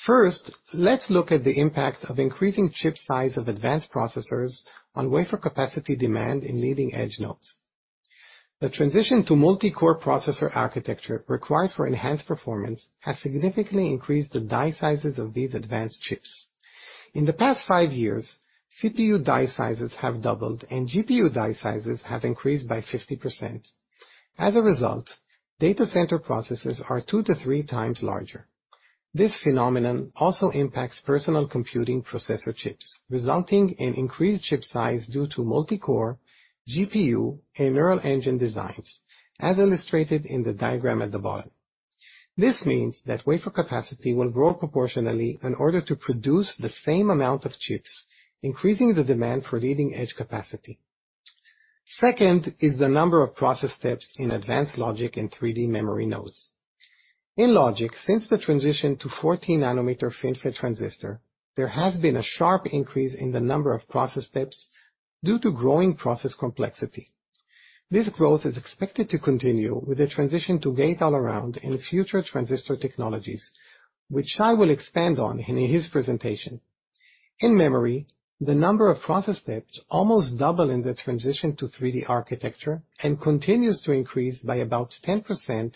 First, let's look at the impact of increasing chip size of advanced processors on wafer capacity demand in leading-edge nodes. The transition to multi-core processor architecture required for enhanced performance has significantly increased the die sizes of these advanced chips. In the past five years, CPU die sizes have doubled, and GPU die sizes have increased by 50%. As a result, data center processes two to three times larger. This phenomenon also impacts personal computing processor chips, resulting in increased chip size due to multi-core GPU and neural engine designs, as illustrated in the diagram at the bottom. This means that wafer capacity will grow proportionally in order to produce the same amount of chips, increasing the demand for leading-edge capacity. Second is the number of process steps in advanced logic in 3D memory nodes. In logic, since the transition to 14-nanometer FinFET transistor, there has been a sharp increase in the number of process steps due to growing process complexity. This growth is expected to continue with the transition to gate-all-around in future transistor technologies, which Shay will expand on in his presentation. In memory, the number of process steps almost double in the transition to 3D architecture and continues to increase by about 10%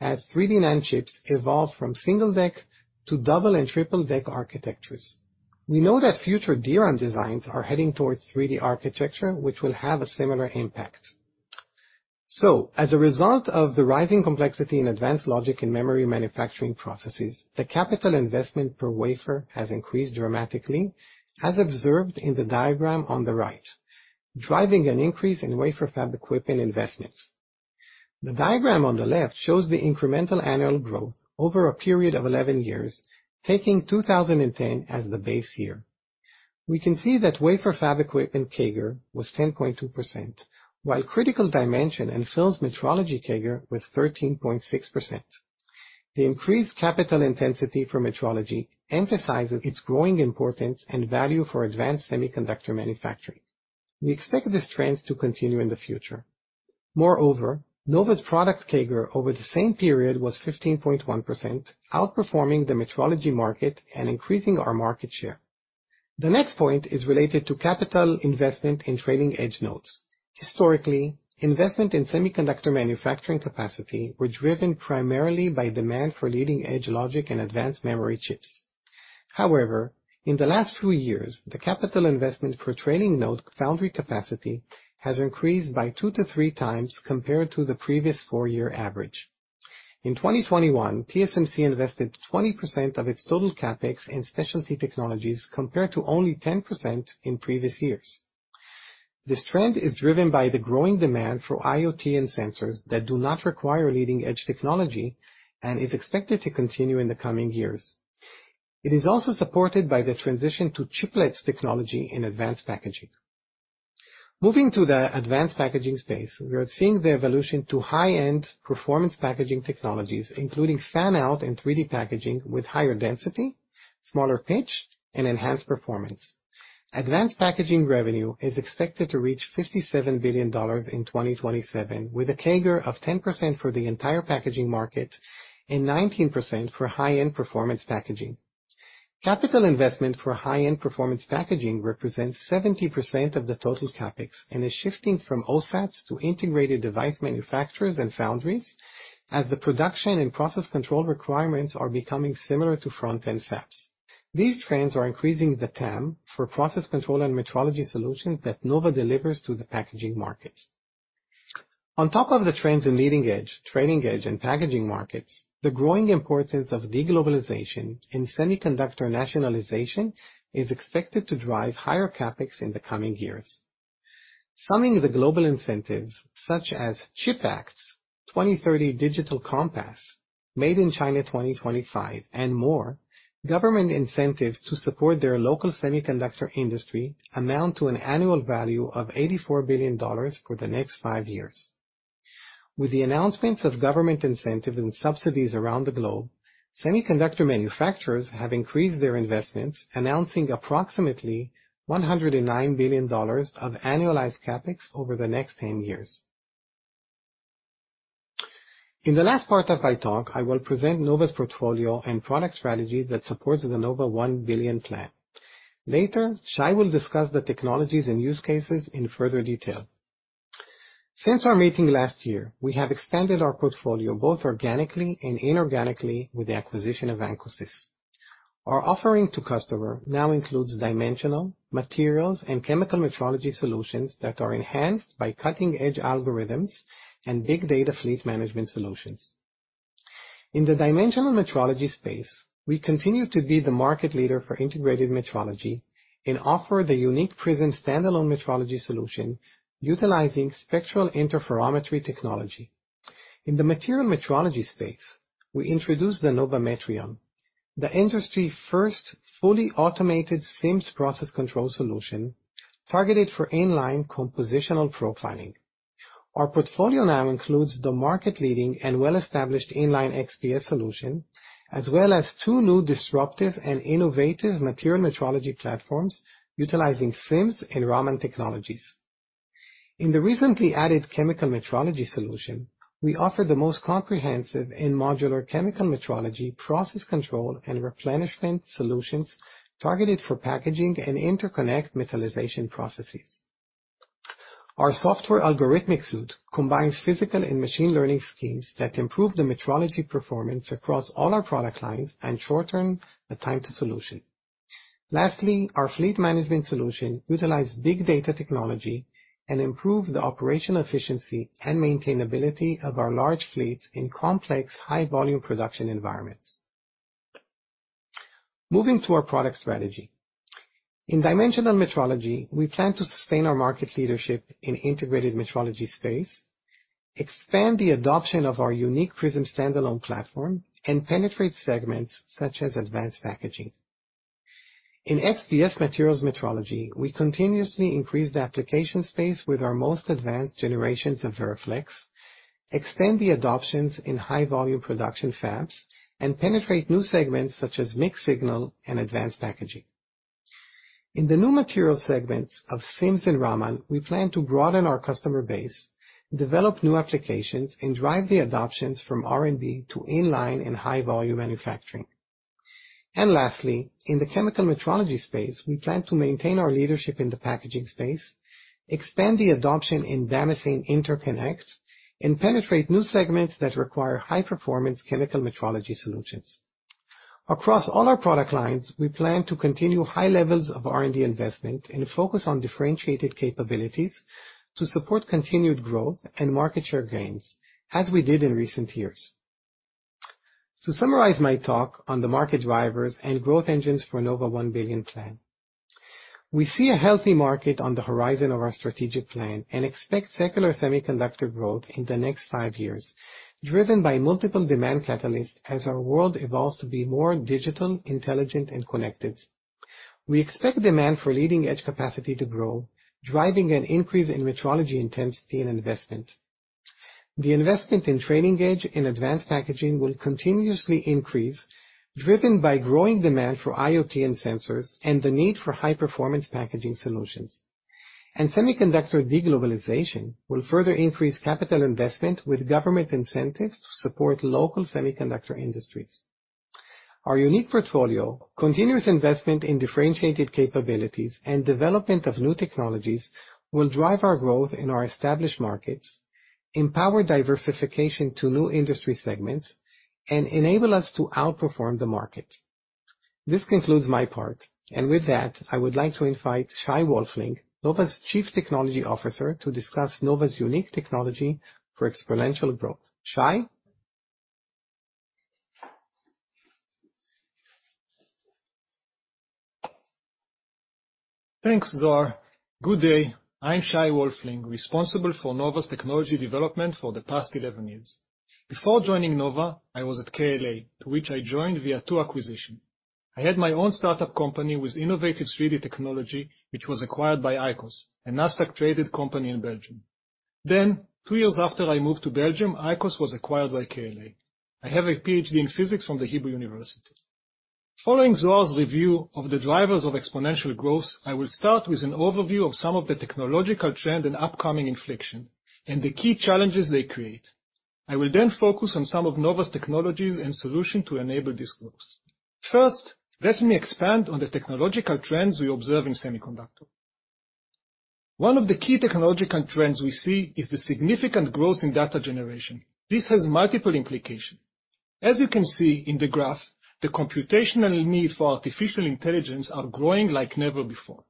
as 3D NAND chips evolve from single deck to double and triple deck architectures. We know that future DRAM designs are heading towards 3D architecture, which will have a similar impact. As a result of the rising complexity in advanced logic and memory manufacturing processes, the capital investment per wafer has increased dramatically, as observed in the diagram on the right, driving an increase in wafer fab equipment investments. The diagram on the left shows the incremental annual growth over a period of 11 years, taking 2010 as the base year. We can see that wafer fab equipment CAGR was 10.2%, while critical dimension and films metrology CAGR was 13.6%. The increased capital intensity for metrology emphasizes its growing importance and value for advanced semiconductor manufacturing. We expect this trend to continue in the future. Moreover, Nova's product CAGR over the same period was 15.1%, outperforming the metrology market and increasing our market share. The next point is related to capital investment in trailing edge nodes. Historically, investment in semiconductor manufacturing capacity were driven primarily by demand for leading-edge logic and advanced memory chips. However, in the last few years, the capital investment for trailing node foundry capacity has increased two to three times compared to the previous four-year average. In 2021, TSMC invested 20% of its total CapEx in specialty technologies compared to only 10% in previous years. This trend is driven by the growing demand for IoT and sensors that do not require leading-edge technology and is expected to continue in the coming years. It is also supported by the transition to chiplets technology in advanced packaging. Moving to the advanced packaging space, we are seeing the evolution to high-end performance packaging technologies, including fan-out and 3D packaging with higher density, smaller pitch, and enhanced performance. Advanced packaging revenue is expected to reach $57 billion in 2027, with a CAGR of 10% for the entire packaging market and 19% for high-end performance packaging. Capital investment for high-end performance packaging represents 70% of the total CapEx and is shifting from OSATs to integrated device manufacturers and foundries as the production and process control requirements are becoming similar to front-end fabs. These trends are increasing the TAM for process control and metrology solutions that Nova delivers to the packaging market. On top of the trends in leading-edge, trailing edge, and packaging markets, the growing importance of de-globalization and semiconductor nationalization is expected to drive higher CapEx in the coming years. Summing the global incentives such as CHIPS Act, 2030 Digital Compass, Made in China 2025, and more, government incentives to support their local semiconductor industry amount to an annual value of $84 billion for the next five years. With the announcements of government incentive and subsidies around the globe, semiconductor manufacturers have increased their investments, announcing approximately $109 billion of annualized CapEx over the next 10 years. In the last part of my talk, I will present Nova's portfolio and product strategy that supports the Nova $1 billion plan. Later, Shay will discuss the technologies and use cases in further detail. Since our meeting last year, we have expanded our portfolio both organically and inorganically with the acquisition of ancosys. Our offering to customers now includes dimensional, materials, and chemical metrology solutions that are enhanced by cutting-edge algorithms and big data fleet management solutions. In the dimensional metrology space, we continue to be the market leader for integrated metrology and offer the unique Prism standalone metrology solution utilizing spectral interferometry technology. In the material metrology space, we introduced the Nova Metrion, the industry-first fully automated SIMS process control solution targeted for in-line compositional profiling. Our portfolio now includes the market-leading and well-established in-line XPS solution, as well as two new disruptive and innovative material metrology platforms utilizing SIMS and Raman technologies. In the recently added chemical metrology solution, we offer the most comprehensive and modular chemical metrology process control and replenishment solutions targeted for packaging and interconnect metallization processes. Our software algorithmic suite combines physical and machine learning schemes that improve the metrology performance across all our product lines and shorten the time to solution. Lastly, our fleet management solution utilize big data technology and improve the operational efficiency and maintainability of our large fleets in complex high-volume production environments. Moving to our product strategy. In dimensional metrology, we plan to sustain our market leadership in integrated metrology space, expand the adoption of our unique Prism standalone platform, and penetrate segments such as advanced packaging. In XPS materials metrology, we continuously increase the application space with our most advanced generations of VeraFlex, extend the adoptions in high-volume production fabs, and penetrate new segments such as mixed signal and advanced packaging. In the new material segments of SIMS and Raman, we plan to broaden our customer base, develop new applications, and drive the adoptions from R&D to in-line and high-volume manufacturing. Lastly, in the chemical metrology space, we plan to maintain our leadership in the packaging space, expand the adoption in damascene interconnects, and penetrate new segments that require high-performance chemical metrology solutions. Across all our product lines, we plan to continue high levels of R&D investment and focus on differentiated capabilities to support continued growth and market share gains, as we did in recent years. To summarize my talk on the market drivers and growth engines for Nova $1 billion plan. We see a healthy market on the horizon of our strategic plan and expect secular semiconductor growth in the next five years, driven by multiple demand catalysts as our world evolves to be more digital, intelligent, and connected. We expect demand for leading-edge capacity to grow, driving an increase in metrology intensity and investment. The investment in trailing edge in advanced packaging will continuously increase, driven by growing demand for IoT and sensors, and the need for high-performance packaging solutions. Semiconductor de-globalization will further increase capital investment with government incentives to support local semiconductor industries. Our unique portfolio, continuous investment in differentiated capabilities, and development of new technologies will drive our growth in our established markets, empower diversification to new industry segments, and enable us to outperform the market. This concludes my part, and with that, I would like to invite Shay Wolfling, Nova's Chief Technology Officer, to discuss Nova's unique technology for exponential growth. Shay? Thanks, Zohar. Good day. I'm Shay Wolfling, responsible for Nova's technology development for the past 11 years. Before joining Nova, I was at KLA, which I joined via two acquisitions. I had my own startup company with innovative 3D technology, which was acquired by ICOS, a Nasdaq-traded company in Belgium. Then, two years after I moved to Belgium, ICOS was acquired by KLA. I have a Ph.D. in physics from the Hebrew University. Following Zohar's review of the drivers of exponential growth, I will start with an overview of some of the technological trends and upcoming inflections, and the key challenges they create. I will then focus on some of Nova's technologies and solutions to enable this growth. First, let me expand on the technological trends we observe in semiconductors. One of the key technological trends we see is the significant growth in data generation. This has multiple implications. As you can see in the graph, the computational need for artificial intelligence are growing like never before.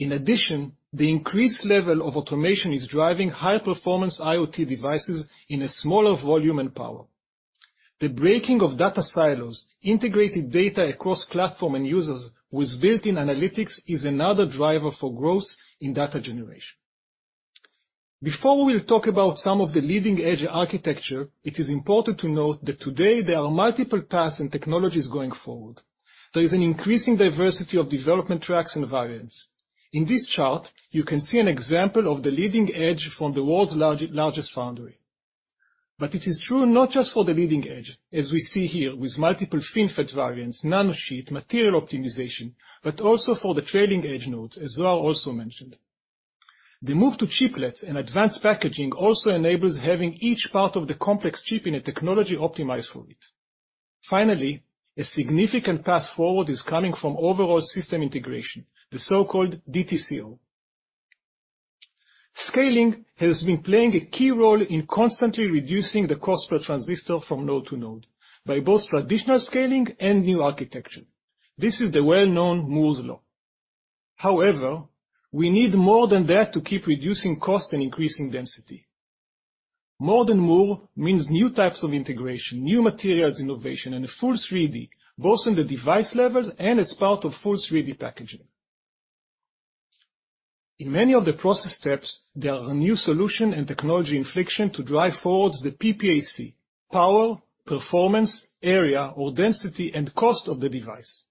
In addition, the increased level of automation is driving high-performance IoT devices in a smaller volume and power. The breaking of data silos, integrated data across platform and users with built-in analytics is another driver for growth in data generation. Before we will talk about some of the leading edge architecture, it is important to note that today, there are multiple paths and technologies going forward. There is an increasing diversity of development tracks and variants. In this chart, you can see an example of the leading edge from the world's largest foundry. It is true not just for the leading edge, as we see here with multiple FinFET variants, nanosheet, material optimization, but also for the trailing edge nodes, as Zohar also mentioned. The move to chiplets and advanced packaging also enables having each part of the complex chip in a technology optimized for it. Finally, a significant path forward is coming from overall system integration, the so-called DTCO. Scaling has been playing a key role in constantly reducing the cost per transistor from node to node by both traditional scaling and new architecture. This is the well-known Moore's Law. However, we need more than that to keep reducing cost and increasing density. More than Moore means new types of integration, new materials innovation, and a full 3D, both on the device level and as part of full 3D packaging. In many of the process steps, there are new solution and technology inflection to drive forward the PPAC, power, performance, area or density, and cost of the device.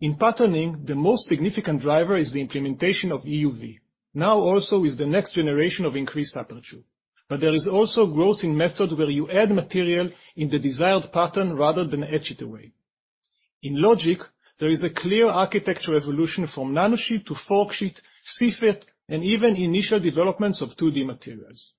In patterning, the most significant driver is the implementation of EUV. Now also is the next generation of increased aperture. There is also growth in method where you add material in the desired pattern rather than etch it away. In logic, there is a clear architecture evolution from nanosheet to forksheet, CFET, and even initial developments of 2D materials.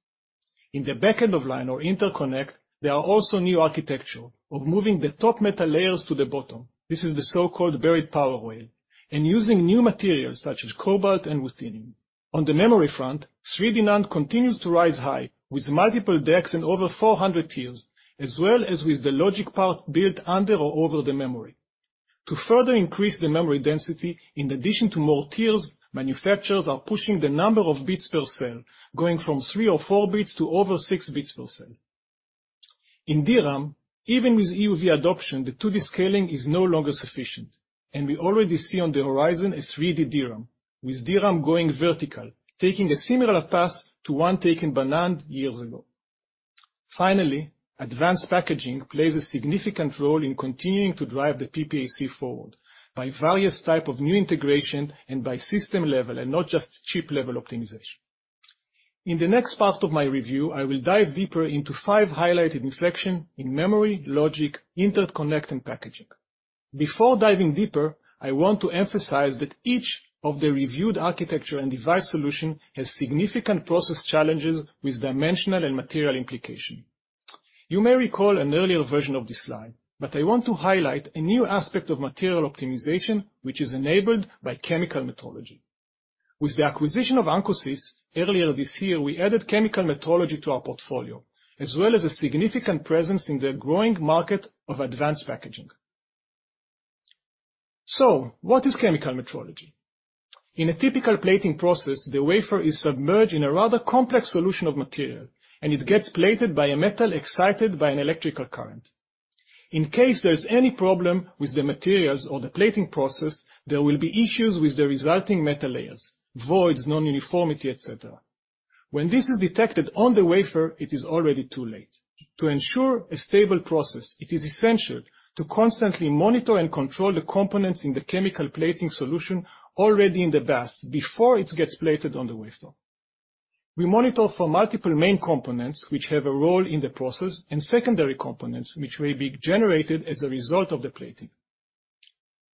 In the back-end of line or interconnect, there are also new architecture of moving the top metal layers to the bottom. This is the so-called buried power rail, and using new materials such as cobalt and ruthenium. On the memory front, 3D NAND continues to rise high with multiple decks and over 400 tiers, as well as with the logic part built under or over the memory. To further increase the memory density, in addition to more tiers, manufacturers are pushing the number of bits per cell, going from 3 or 4 bits to over 6 bits per cell. In DRAM, even with EUV adoption, the 2D scaling is no longer sufficient, and we already see on the horizon a 3D DRAM, with DRAM going vertical, taking a similar path to one taken by NAND years ago. Finally, advanced packaging plays a significant role in continuing to drive the PPAC forward by various type of new integration and by system level and not just chip level optimization. In the next part of my review, I will dive deeper into five highlighted inflection in memory, logic, interconnect, and packaging. Before diving deeper, I want to emphasize that each of the reviewed architecture and device solution has significant process challenges with dimensional and material implication. You may recall an earlier version of this slide, but I want to highlight a new aspect of material optimization, which is enabled by chemical metrology. With the acquisition of Ancosys earlier this year, we added chemical metrology to our portfolio, as well as a significant presence in the growing market of advanced packaging. What is chemical metrology? In a typical plating process, the wafer is submerged in a rather complex solution of material, and it gets plated by a metal excited by an electrical current. In case there's any problem with the materials or the plating process, there will be issues with the resulting metal layers, voids, non-uniformity, et cetera. When this is detected on the wafer, it is already too late. To ensure a stable process, it is essential to constantly monitor and control the components in the chemical plating solution already in the bath before it gets plated on the wafer. We monitor for multiple main components which have a role in the process, and secondary components which may be generated as a result of the plating.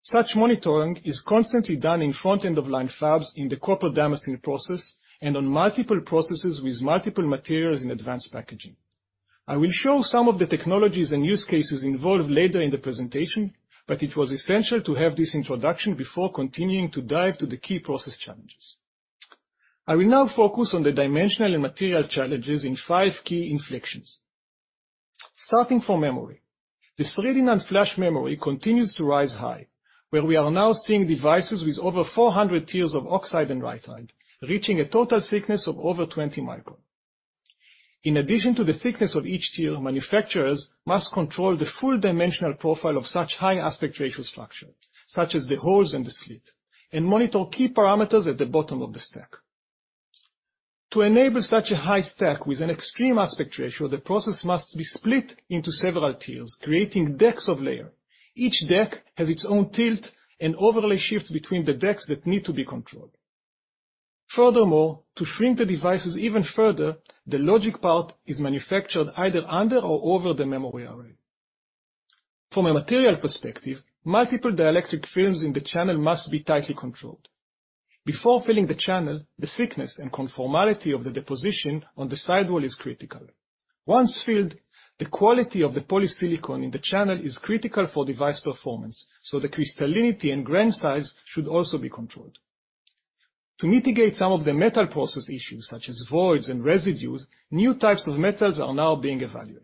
Such monitoring is constantly done in front-end of line fabs in the copper damascene process and on multiple processes with multiple materials in advanced packaging. I will show some of the technologies and use cases involved later in the presentation, but it was essential to have this introduction before continuing to dive to the key process challenges. I will now focus on the dimensional and material challenges in five key inflections. Starting from memory. The 3D NAND flash memory continues to rise high, where we are now seeing devices with over 400 tiers of oxide and word line, reaching a total thickness of over 20 microns. In addition to the thickness of each tier, manufacturers must control the full dimensional profile of such high aspect ratio structure, such as the holes and the slit, and monitor key parameters at the bottom of the stack. To enable such a high stack with an extreme aspect ratio, the process must be split into several tiers, creating decks of layer. Each deck has its own tilt and overlay shifts between the decks that need to be controlled. Furthermore, to shrink the devices even further, the logic part is manufactured either under or over the memory array. From a material perspective, multiple dielectric films in the channel must be tightly controlled. Before filling the channel, the thickness and conformality of the deposition on the sidewall is critical. Once filled, the quality of the polysilicon in the channel is critical for device performance, so the crystallinity and grain size should also be controlled. To mitigate some of the metal process issues, such as voids and residues, new types of metals are now being evaluated.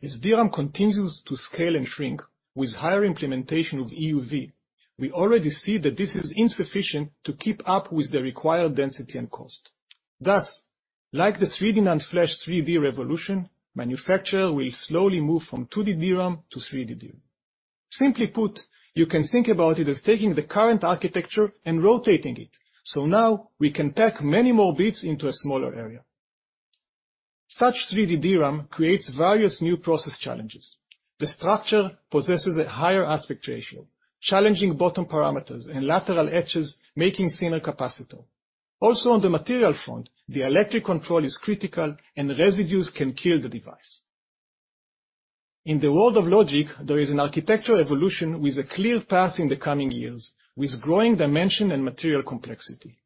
As DRAM continues to scale and shrink with higher implementation of EUV, we already see that this is insufficient to keep up with the required density and cost. Thus, like the 3D NAND Flash 3D revolution, manufacturer will slowly move from 2D DRAM to 3D DRAM. Simply put, you can think about it as taking the current architecture and rotating it. Now we can pack many more bits into a smaller area. Such 3D DRAM creates various new process challenges. The structure possesses a higher aspect ratio, challenging bottom parameters and lateral etches, making thinner capacitor. Also on the material front, the chemical control is critical and residues can kill the device. In the world of logic, there is an architectural evolution with a clear path in the coming years, with growing dimensional and material complexity.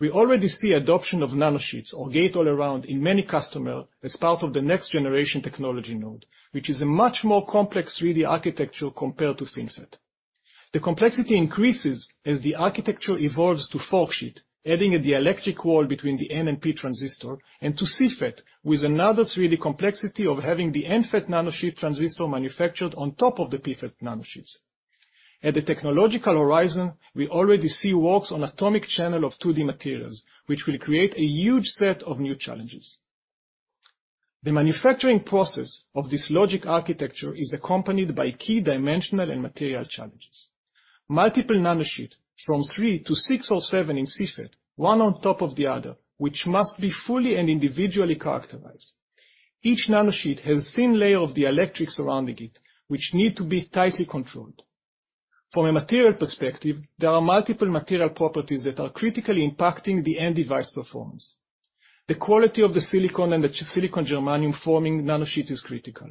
We already see adoption of nanosheets or gate-all-around in many customers as part of the next generation technology node, which is a much more complex 3D architecture compared to FinFET. The complexity increases as the architecture evolves to forksheet, adding a dielectric wall between the N and P transistors, and to CFET, with another 3D complexity of having the NFET nanosheet transistor manufactured on top of the PFET nanosheets. At the technological horizon, we already see work on atomic channels of 2D materials, which will create a huge set of new challenges. The manufacturing process of this logic architecture is accompanied by key dimensional and material challenges. Multiple nanosheets from 3-6 or 7 in CFET, one on top of the other, which must be fully and individually characterized. Each nanosheet has thin layer of dielectrics surrounding it, which need to be tightly controlled. From a material perspective, there are multiple material properties that are critically impacting the end device performance. The quality of the silicon and the silicon germanium forming nanosheet is critical.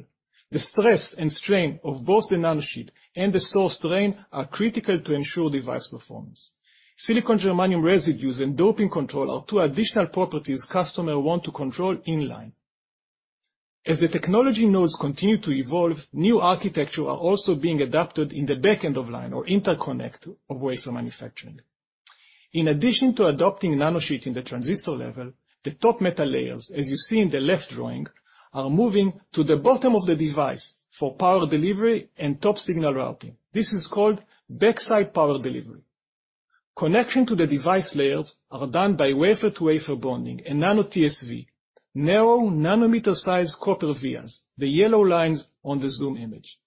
The stress and strain of both the nanosheet and the source/drain are critical to ensure device performance. Silicon germanium residues and doping control are two additional properties customers want to control in-line. As the technology nodes continue to evolve, new architectures are also being adapted in the back-end-of-line or interconnect of wafer manufacturing. In addition to adopting nanosheet in the transistor level, the top metal layers, as you see in the left drawing, are moving to the bottom of the device for power delivery and top signal routing. This is called backside power delivery. Connection to the device layers are done by wafer-to-wafer bonding and nano TSV, narrow nanometer size copper vias, the yellow lines on this zoom image.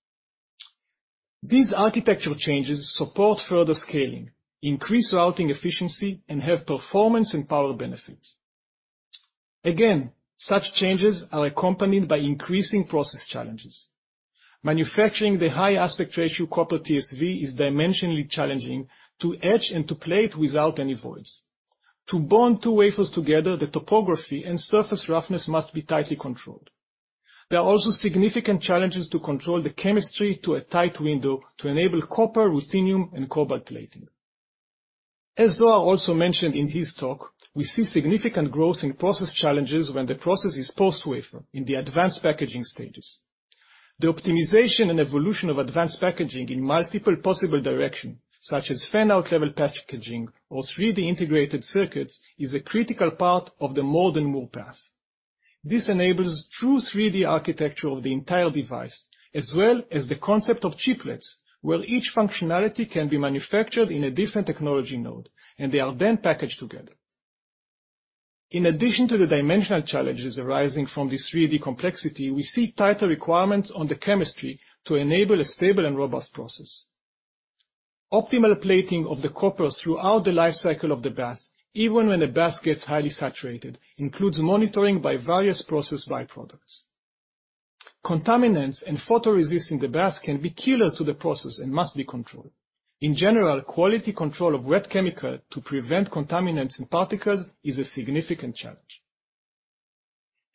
These architectural changes support further scaling, increase routing efficiency, and have performance and power benefits. Again, such changes are accompanied by increasing process challenges. Manufacturing the high aspect ratio copper TSV is dimensionally challenging to etch and to plate without any voids. To bond two wafers together, the topography and surface roughness must be tightly controlled. There are also significant challenges to control the chemistry to a tight window to enable copper, ruthenium, and cobalt plating. As Zohar also mentioned in his talk, we see significant growth in process challenges when the process is post-wafer in the advanced packaging stages. The optimization and evolution of advanced packaging in multiple possible direction, such as fan-out level packaging or 3D integrated circuits, is a critical part of the More than Moore path. This enables true 3D architecture of the entire device, as well as the concept of chiplets, where each functionality can be manufactured in a different technology node, and they are then packaged together. In addition to the dimensional challenges arising from this 3D complexity, we see tighter requirements on the chemistry to enable a stable and robust process. Optimal plating of the copper throughout the life cycle of the bath, even when the bath gets highly saturated, includes monitoring by various process by-products. Contaminants and photoresist in the bath can be killers to the process and must be controlled. In general, quality control of wet chemical to prevent contaminants and particles is a significant challenge.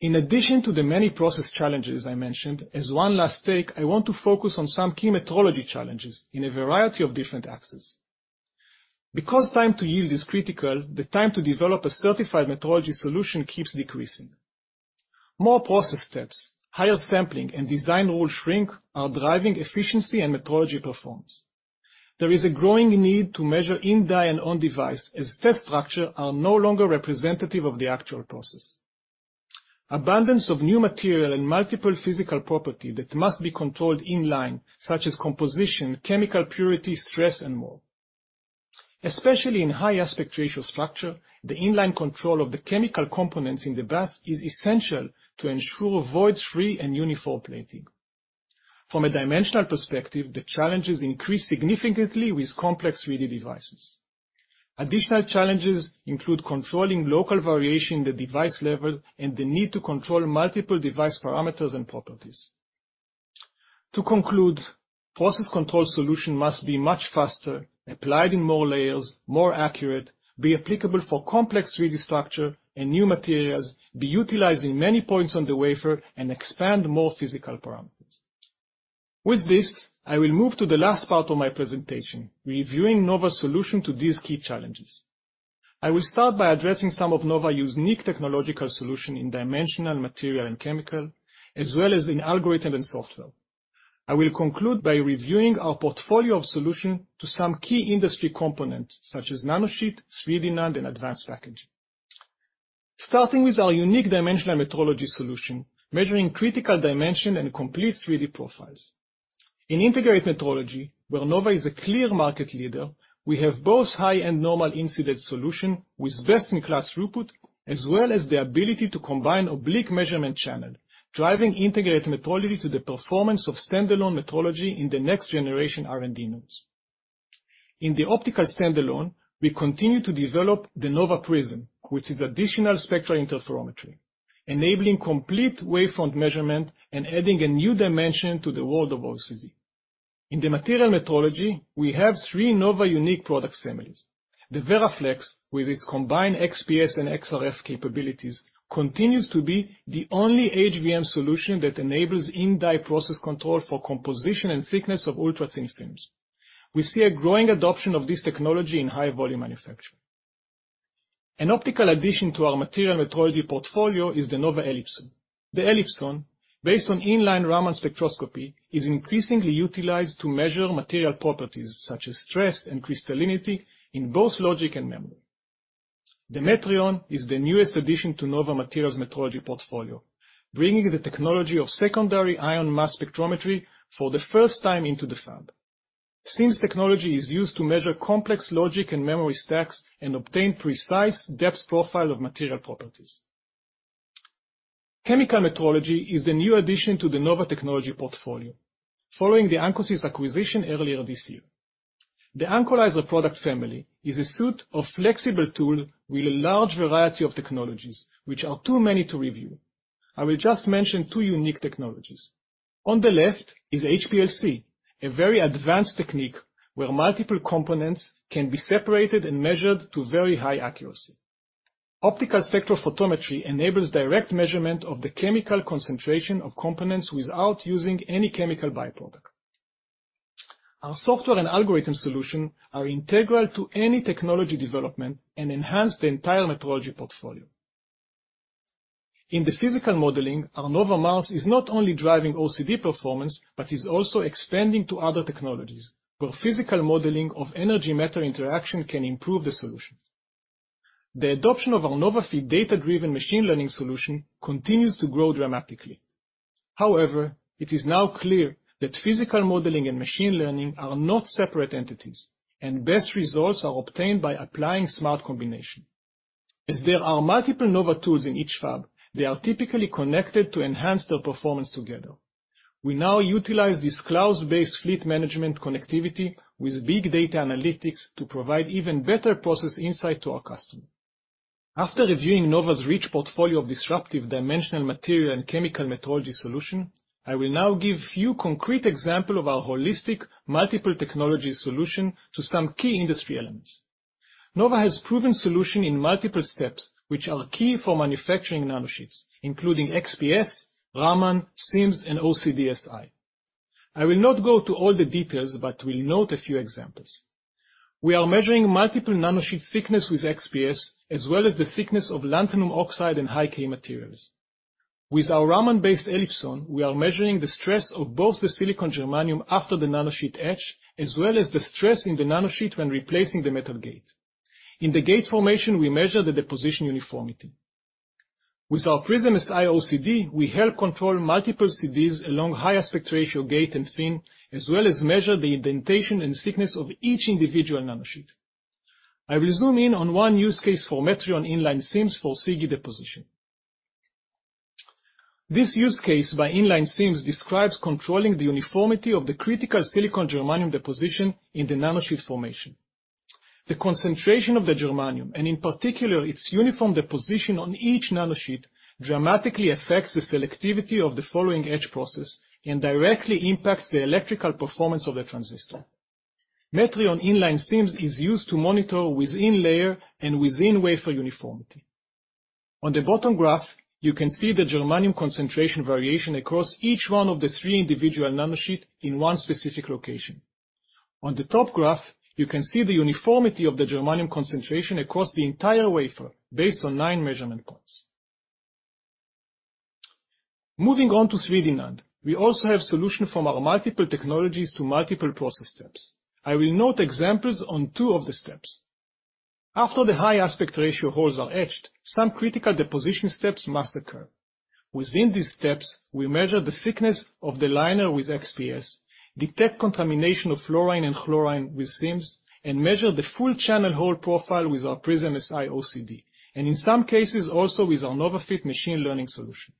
In addition to the many process challenges I mentioned, as one last take, I want to focus on some key metrology challenges in a variety of different axes. Because time to yield is critical, the time to develop a certified metrology solution keeps decreasing. More process steps, higher sampling, and design rule shrink are driving efficiency and metrology performance. There is a growing need to measure in-die and on-device as test structure are no longer representative of the actual process. Abundance of new material and multiple physical property that must be controlled in-line, such as composition, chemical purity, stress, and more. Especially in high aspect ratio structure, the in-line control of the chemical components in the bath is essential to ensure void-free and uniform plating. From a dimensional perspective, the challenges increase significantly with complex 3D devices. Additional challenges include controlling local variation at the device level and the need to control multiple device parameters and properties. To conclude, process control solution must be much faster, applied in more layers, more accurate, be applicable for complex 3D structure and new materials, be utilized in many points on the wafer, and expand more physical parameters. With this, I will move to the last part of my presentation, reviewing Nova's solution to these key challenges. I will start by addressing some of Nova unique technological solution in dimensional material and chemical, as well as in algorithm and software. I will conclude by reviewing our portfolio of solution to some key industry components, such as nanosheet, 3D NAND, and advanced packaging. Starting with our unique dimensional metrology solution, measuring critical dimension and complete 3D profiles. In integrated metrology, where Nova is a clear market leader, we have both high- and normal-incidence solutions with best-in-class throughput, as well as the ability to combine oblique measurement channel, driving integrated metrology to the performance of standalone metrology in the next-generation R&D nodes. In the optical standalone, we continue to develop the Nova PRISM, which is additional spectral interferometry, enabling complete wavefront measurement and adding a new dimension to the world of OCD. In the material metrology, we have three Nova unique product families. The VeraFlex, with its combined XPS and XRF capabilities, continues to be the only HVM solution that enables in-die process control for composition and thickness of ultra-thin films. We see a growing adoption of this technology in high-volume manufacturing. An optical addition to our material metrology portfolio is the Nova Elipson. The Elipson, based on in-line Raman spectroscopy, is increasingly utilized to measure material properties, such as stress and crystallinity in both logic and memory. The Metrion is the newest addition to Nova materials metrology portfolio, bringing the technology of secondary ion mass spectrometry for the first time into the fab. This technology is used to measure complex logic and memory stacks and obtain precise depth profile of material properties. Chemical metrology is the new addition to the Nova technology portfolio following the ancosys acquisition earlier this year. The ancolyzer product family is a suite of flexible tool with a large variety of technologies, which are too many to review. I will just mention two unique technologies. On the left is HPLC, a very advanced technique where multiple components can be separated and measured to very high accuracy. Optical spectrophotometry enables direct measurement of the chemical concentration of components without using any chemical by-product. Our software and algorithm solution are integral to any technology development and enhance the entire metrology portfolio. In the physical modeling, our NovaMARS is not only driving OCD performance, but is also expanding to other technologies, where physical modeling of energy matter interaction can improve the solution. The adoption of NovaFit data-driven machine learning solution continues to grow dramatically. However, it is now clear that physical modeling and machine learning are not separate entities, and best results are obtained by applying smart combination. As there are multiple Nova tools in each fab, they are typically connected to enhance their performance together. We now utilize this cloud-based fleet management connectivity with big data analytics to provide even better process insight to our customer. After reviewing Nova's rich portfolio of disruptive dimensional material and chemical metrology solution, I will now give you concrete example of our holistic multiple technology solution to some key industry elements. Nova has proven solution in multiple steps, which are key for manufacturing nanosheets, including XPS, Raman, SIMS, and OCD SI. I will not go to all the details, but will note a few examples. We are measuring multiple nanosheet thickness with XPS, as well as the thickness of lanthanum oxide and high-k materials. With our Raman-based Elipson, we are measuring the stress of both the silicon germanium after the nanosheet etch, as well as the stress in the nanosheet when replacing the metal gate. In the gate formation, we measure the deposition uniformity. With our PRISM SI OCD, we help control multiple CDs along high aspect ratio gate and fin, as well as measure the indentation and thickness of each individual nanosheet. I will zoom in on one use case for Metrion in-line SIMS for SiGe deposition. This use case by inline SIMS describes controlling the uniformity of the critical silicon germanium deposition in the nanosheet formation. The concentration of the germanium, and in particular its uniform deposition on each nanosheet, dramatically affects the selectivity of the following etch process and directly impacts the electrical performance of the transistor. Metrion inline SIMS is used to monitor within layer and within wafer uniformity. On the bottom graph, you can see the germanium concentration variation across each one of the three individual nanosheets in one specific location. On the top graph, you can see the uniformity of the germanium concentration across the entire wafer based on nine measurement points. Moving on to 3D NAND. We also have solution from our multiple technologies to multiple process steps. I will note examples on two of the steps. After the high aspect ratio holes are etched, some critical deposition steps must occur. Within these steps, we measure the thickness of the liner with XPS, detect contamination of fluorine and chlorine with SIMS, and measure the full channel hole profile with our PRISM SI OCD, and in some cases, also with NovaFit machine learning solution.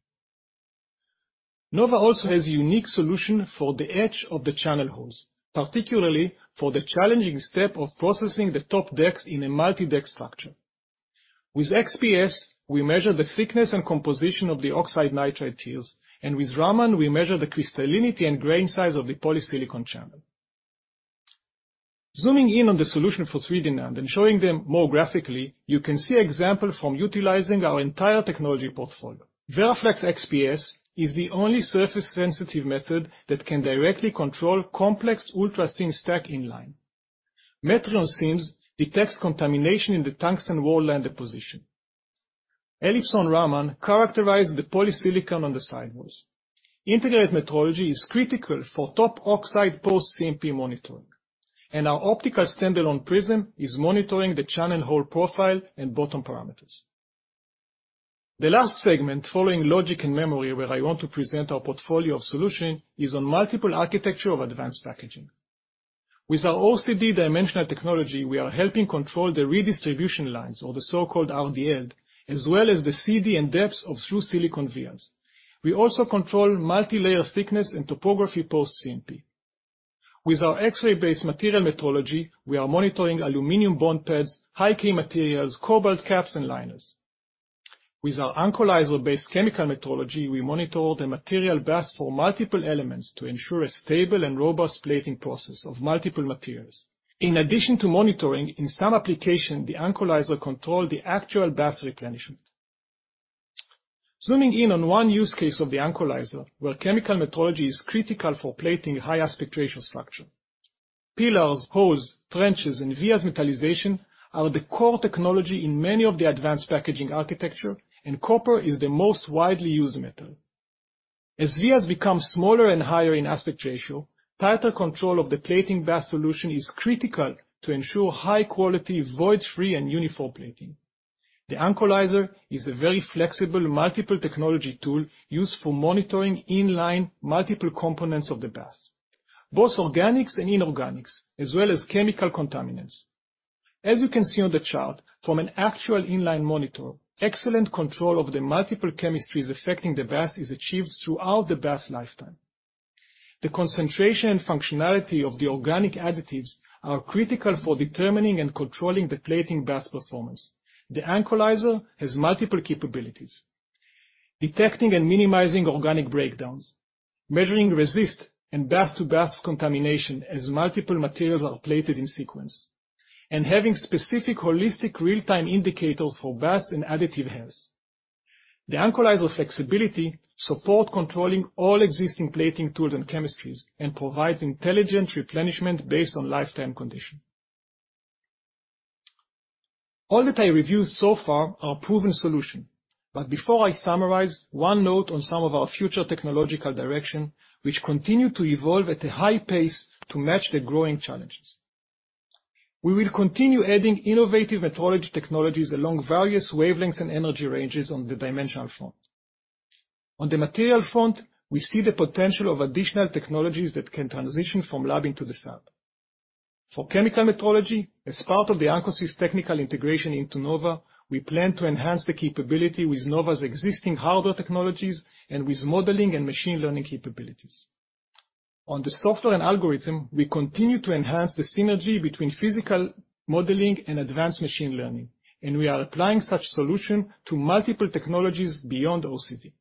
Nova also has a unique solution for the etch of the channel holes, particularly for the challenging step of processing the top decks in a multi-deck structure. With XPS, we measure the thickness and composition of the oxide nitride tiers, and with Raman we measure the crystallinity and grain size of the polysilicon channel. Zooming in on the solution for 3D NAND and showing them more graphically, you can see example from utilizing our entire technology portfolio. VeraFlex XPS is the only surface-sensitive method that can directly control complex ultrathin stack inline. Metrion SIMS detects contamination in the tungsten wordline deposition. Elipson Raman characterize the polysilicon on the sidewalls. Integrated metrology is critical for top oxide post CMP monitoring. Our optical standalone Prism is monitoring the channel hole profile and bottom parameters. The last segment, following logic and memory, where I want to present our portfolio of solution, is on multiple architecture of advanced packaging. With our OCD dimensional technology, we are helping control the redistribution lines, or the so-called RDL, as well as the CD and depths of through-silicon vias. We also control multilayer thickness and topography post CMP. With our X-ray based material metrology, we are monitoring aluminum bond pads, high-k materials, cobalt caps and liners. With our ancolyzer-based chemical metrology, we monitor the material bath for multiple elements to ensure a stable and robust plating process of multiple materials. In addition to monitoring, in some application, the ancolyzer control the actual bath replenishment. Zooming in on one use case of the ancolyzer, where chemical metrology is critical for plating high aspect ratio structure. Pillars, holes, trenches and vias metallization are the core technology in many of the advanced packaging architecture, and copper is the most widely used metal. As vias become smaller and higher in aspect ratio, tighter control of the plating bath solution is critical to ensure high quality, void-free and uniform plating. The ancolyzer is a very flexible multiple technology tool used for monitoring in-line multiple components of the bath, both organics and inorganics, as well as chemical contaminants. As you can see on the chart, from an actual in-line monitor, excellent control of the multiple chemistries affecting the bath is achieved throughout the bath lifetime. The concentration and functionality of the organic additives are critical for determining and controlling the plating bath performance. The ancolyzer has multiple capabilities, detecting and minimizing organic breakdowns, measuring resist and bath-to-bath contamination as multiple materials are plated in sequence, and having specific holistic real-time indicator for bath and additive health. The ancolyzer flexibility supports controlling all existing plating tools and chemistries, and provides intelligent replenishment based on lifetime condition. All that I reviewed so far are proven solution. Before I summarize, one note on some of our future technological direction, which continue to evolve at a high pace to match the growing challenges. We will continue adding innovative metrology technologies along various wavelengths and energy ranges on the dimensional front. On the material front, we see the potential of additional technologies that can transition from lab into the fab. For chemical metrology, as part of the ancosys technical integration into Nova, we plan to enhance the capability with Nova's existing hardware technologies and with modeling and machine learning capabilities. On the software and algorithm, we continue to enhance the synergy between physical modeling and advanced machine learning, and we are applying such solution to multiple technologies beyond OCD.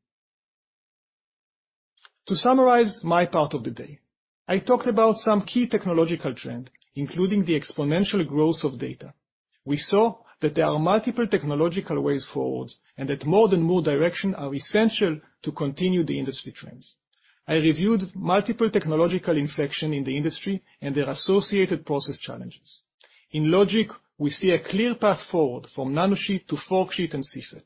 To summarize my part of the day, I talked about some key technological trend, including the exponential growth of data. We saw that there are multiple technological ways forward and that more and more directions are essential to continue the industry trends. I reviewed multiple technological inflections in the industry and their associated process challenges. In logic, we see a clear path forward from nanosheet to forksheet and CFET.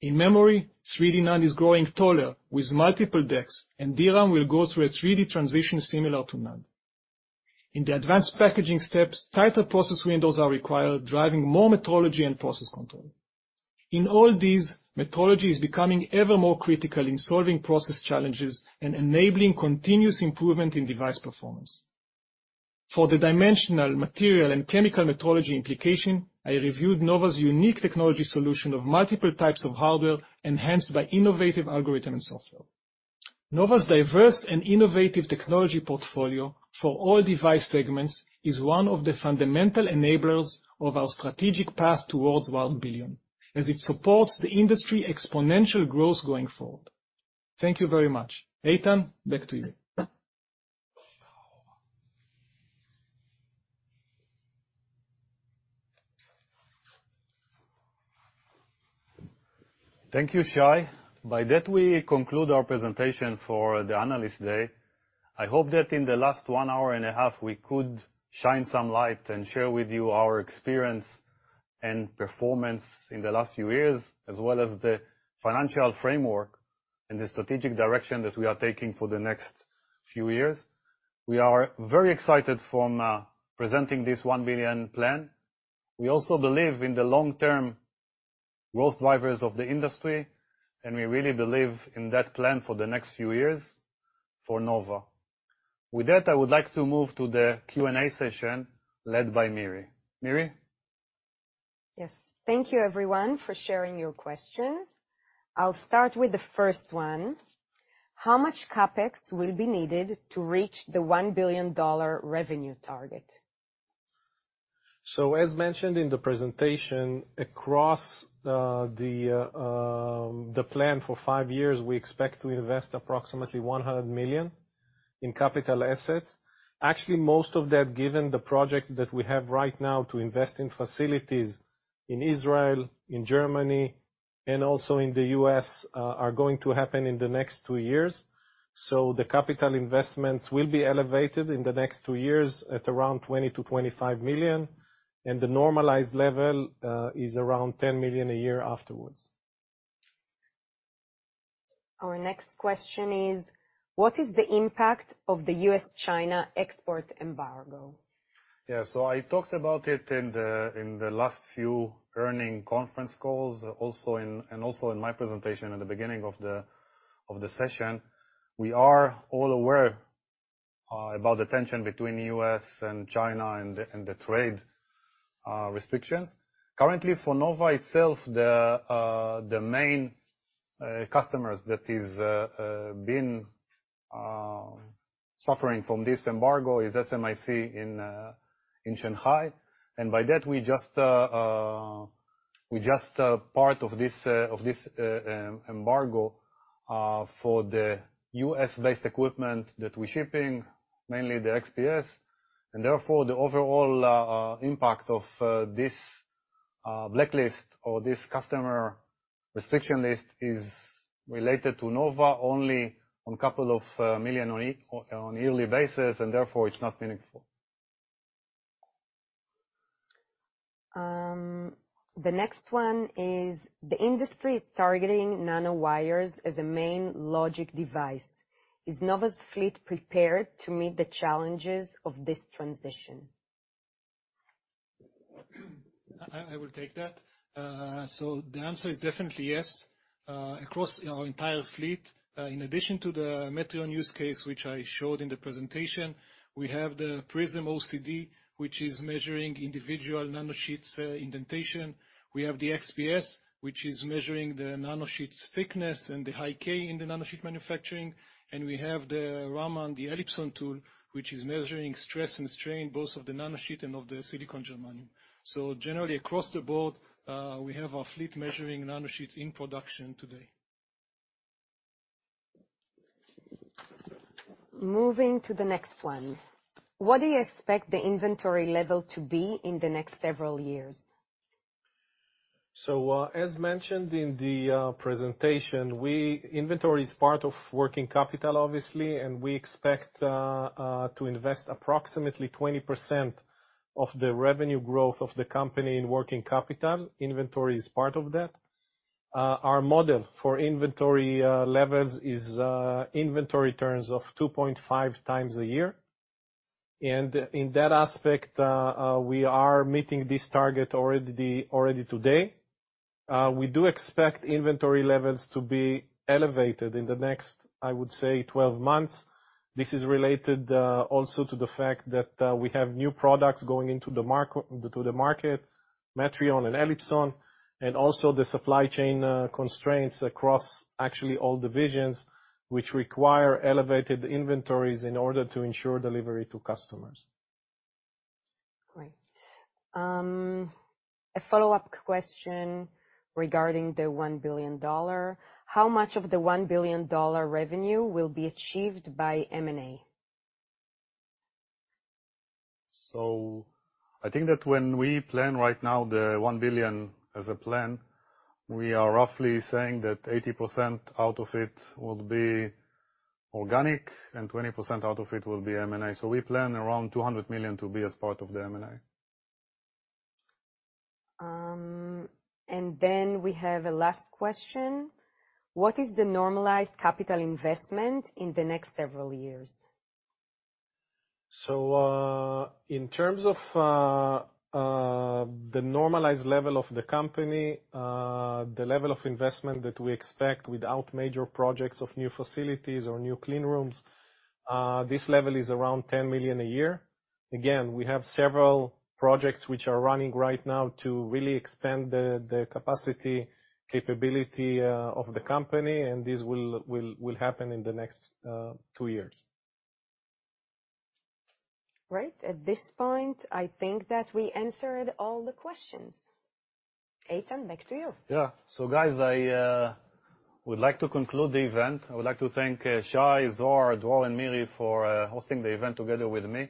In memory, 3D NAND is growing taller with multiple decks, and DRAM will go through a 3D transition similar to NAND. In the advanced packaging steps, tighter process windows are required, driving more metrology and process control. In all these, metrology is becoming ever more critical in solving process challenges and enabling continuous improvement in device performance. For the 2D materials and chemical metrology implications, I reviewed Nova's unique technology solutions of multiple types of hardware enhanced by innovative algorithms and software. Nova's diverse and innovative technology portfolio for all device segments is one of the fundamental enablers of our strategic path toward $1 billion, as it supports the industry exponential growth going forward. Thank you very much. Eitan, back to you. Thank you, Shay. By that, we conclude our presentation for the Analyst Day. I hope that in the last 1 hour and a half, we could shine some light and share with you our experience and performance in the last few years, as well as the financial framework and the strategic direction that we are taking for the next few years. We are very excited from presenting this $1 billion plan. We also believe in the long-term growth drivers of the industry, and we really believe in that plan for the next few years for Nova. With that, I would like to move to the Q&A session led by Miri. Miri? Yes. Thank you everyone for sharing your questions. I'll start with the first one. How much CapEx will be needed to reach the $1 billion revenue target? As mentioned in the presentation, across the plan for five years, we expect to invest approximately $100 million in capital assets. Actually, most of that, given the projects that we have right now to invest in facilities in Israel, in Germany, and also in the U.S., are going to happen in the next two years. The capital investments will be elevated in the next two years at around $20 million-$25 million, and the normalized level is around $10 million a year afterwards. Our next question is: What is the impact of the U.S.-China export embargo? Yeah. I talked about it in the last few earnings conference calls, also in my presentation at the beginning of the session. We are all aware about the tension between U.S. and China and the trade restrictions. Currently for Nova itself, the main customer that has been suffering from this embargo is SMIC in Shanghai. By that, we're just part of this embargo for the U.S.-based equipment that we're shipping, mainly the XPS. Therefore, the overall impact of this blacklist or this customer restriction list is related to Nova only $2 million on a yearly basis, and therefore it's not meaningful. The next one is: The industry is targeting nanowires as a main logic device. Is Nova's fleet prepared to meet the challenges of this transition? I will take that. The answer is definitely yes. Across our entire fleet, in addition to the Metrion use case, which I showed in the presentation, we have the Prism OCD, which is measuring individual nanosheets, indentation. We have the XPS, which is measuring the nanosheets thickness and the high K in the nanosheet manufacturing. We have the Raman, the Elipson tool, which is measuring stress and strain, both of the nanosheet and of the silicon germanium. Generally, across the board, we have our fleet measuring nanosheets in production today. Moving to the next one. What do you expect the inventory level to be in the next several years? As mentioned in the presentation, Inventory is part of working capital, obviously, and we expect to invest approximately 20% of the revenue growth of the company in working capital. Inventory is part of that. Our model for inventory levels is inventory turns of 2.5 times a year. In that aspect, we are meeting this target already today. We do expect inventory levels to be elevated in the next, I would say, 12 months. This is related also to the fact that we have new products going into the market, Metrion and Elipson, and also the supply chain constraints across actually all divisions which require elevated inventories in order to ensure delivery to customers. Great. A follow-up question regarding the $1 billion. How much of the $1 billion revenue will be achieved by M&A? I think that when we plan right now the $1 billion as a plan, we are roughly saying that 80% out of it will be organic and 20% out of it will be M&A. We plan around $200 million to be as part of the M&A. We have a last question. What is the normalized capital investment in the next several years? In terms of the normalized level of the company, the level of investment that we expect without major projects of new facilities or new clean rooms, this level is around $10 million a year. Again, we have several projects which are running right now to really expand the capacity capability of the company, and this will happen in the next two years. Right. At this point, I think that we answered all the questions. Eitan, back to you. Yeah. Guys, I would like to conclude the event. I would like to thank Shay, Zohar, Dror, and Miri for hosting the event together with me.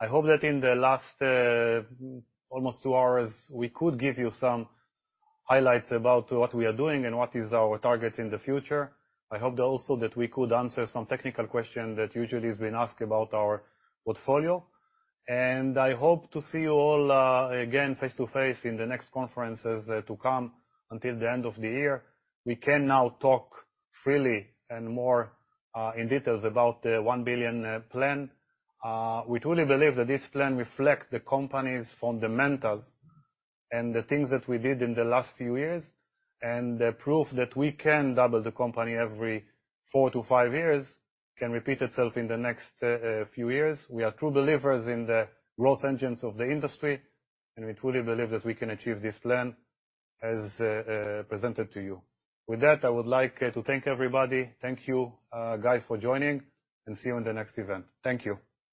I hope that in the last almost two hours, we could give you some highlights about what we are doing and what is our targets in the future. I hope also that we could answer some technical question that usually has been asked about our portfolio. I hope to see you all again face-to-face in the next conferences to come until the end of the year. We can now talk freely and more in details about the $1 billion plan. We truly believe that this plan reflect the company's fundamentals and the things that we did in the last few years, and the proof that we can double the company every four to five years can repeat itself in the next few years. We are true believers in the growth engines of the industry, and we truly believe that we can achieve this plan as presented to you. With that, I would like to thank everybody. Thank you, guys, for joining, and see you in the next event. Thank you.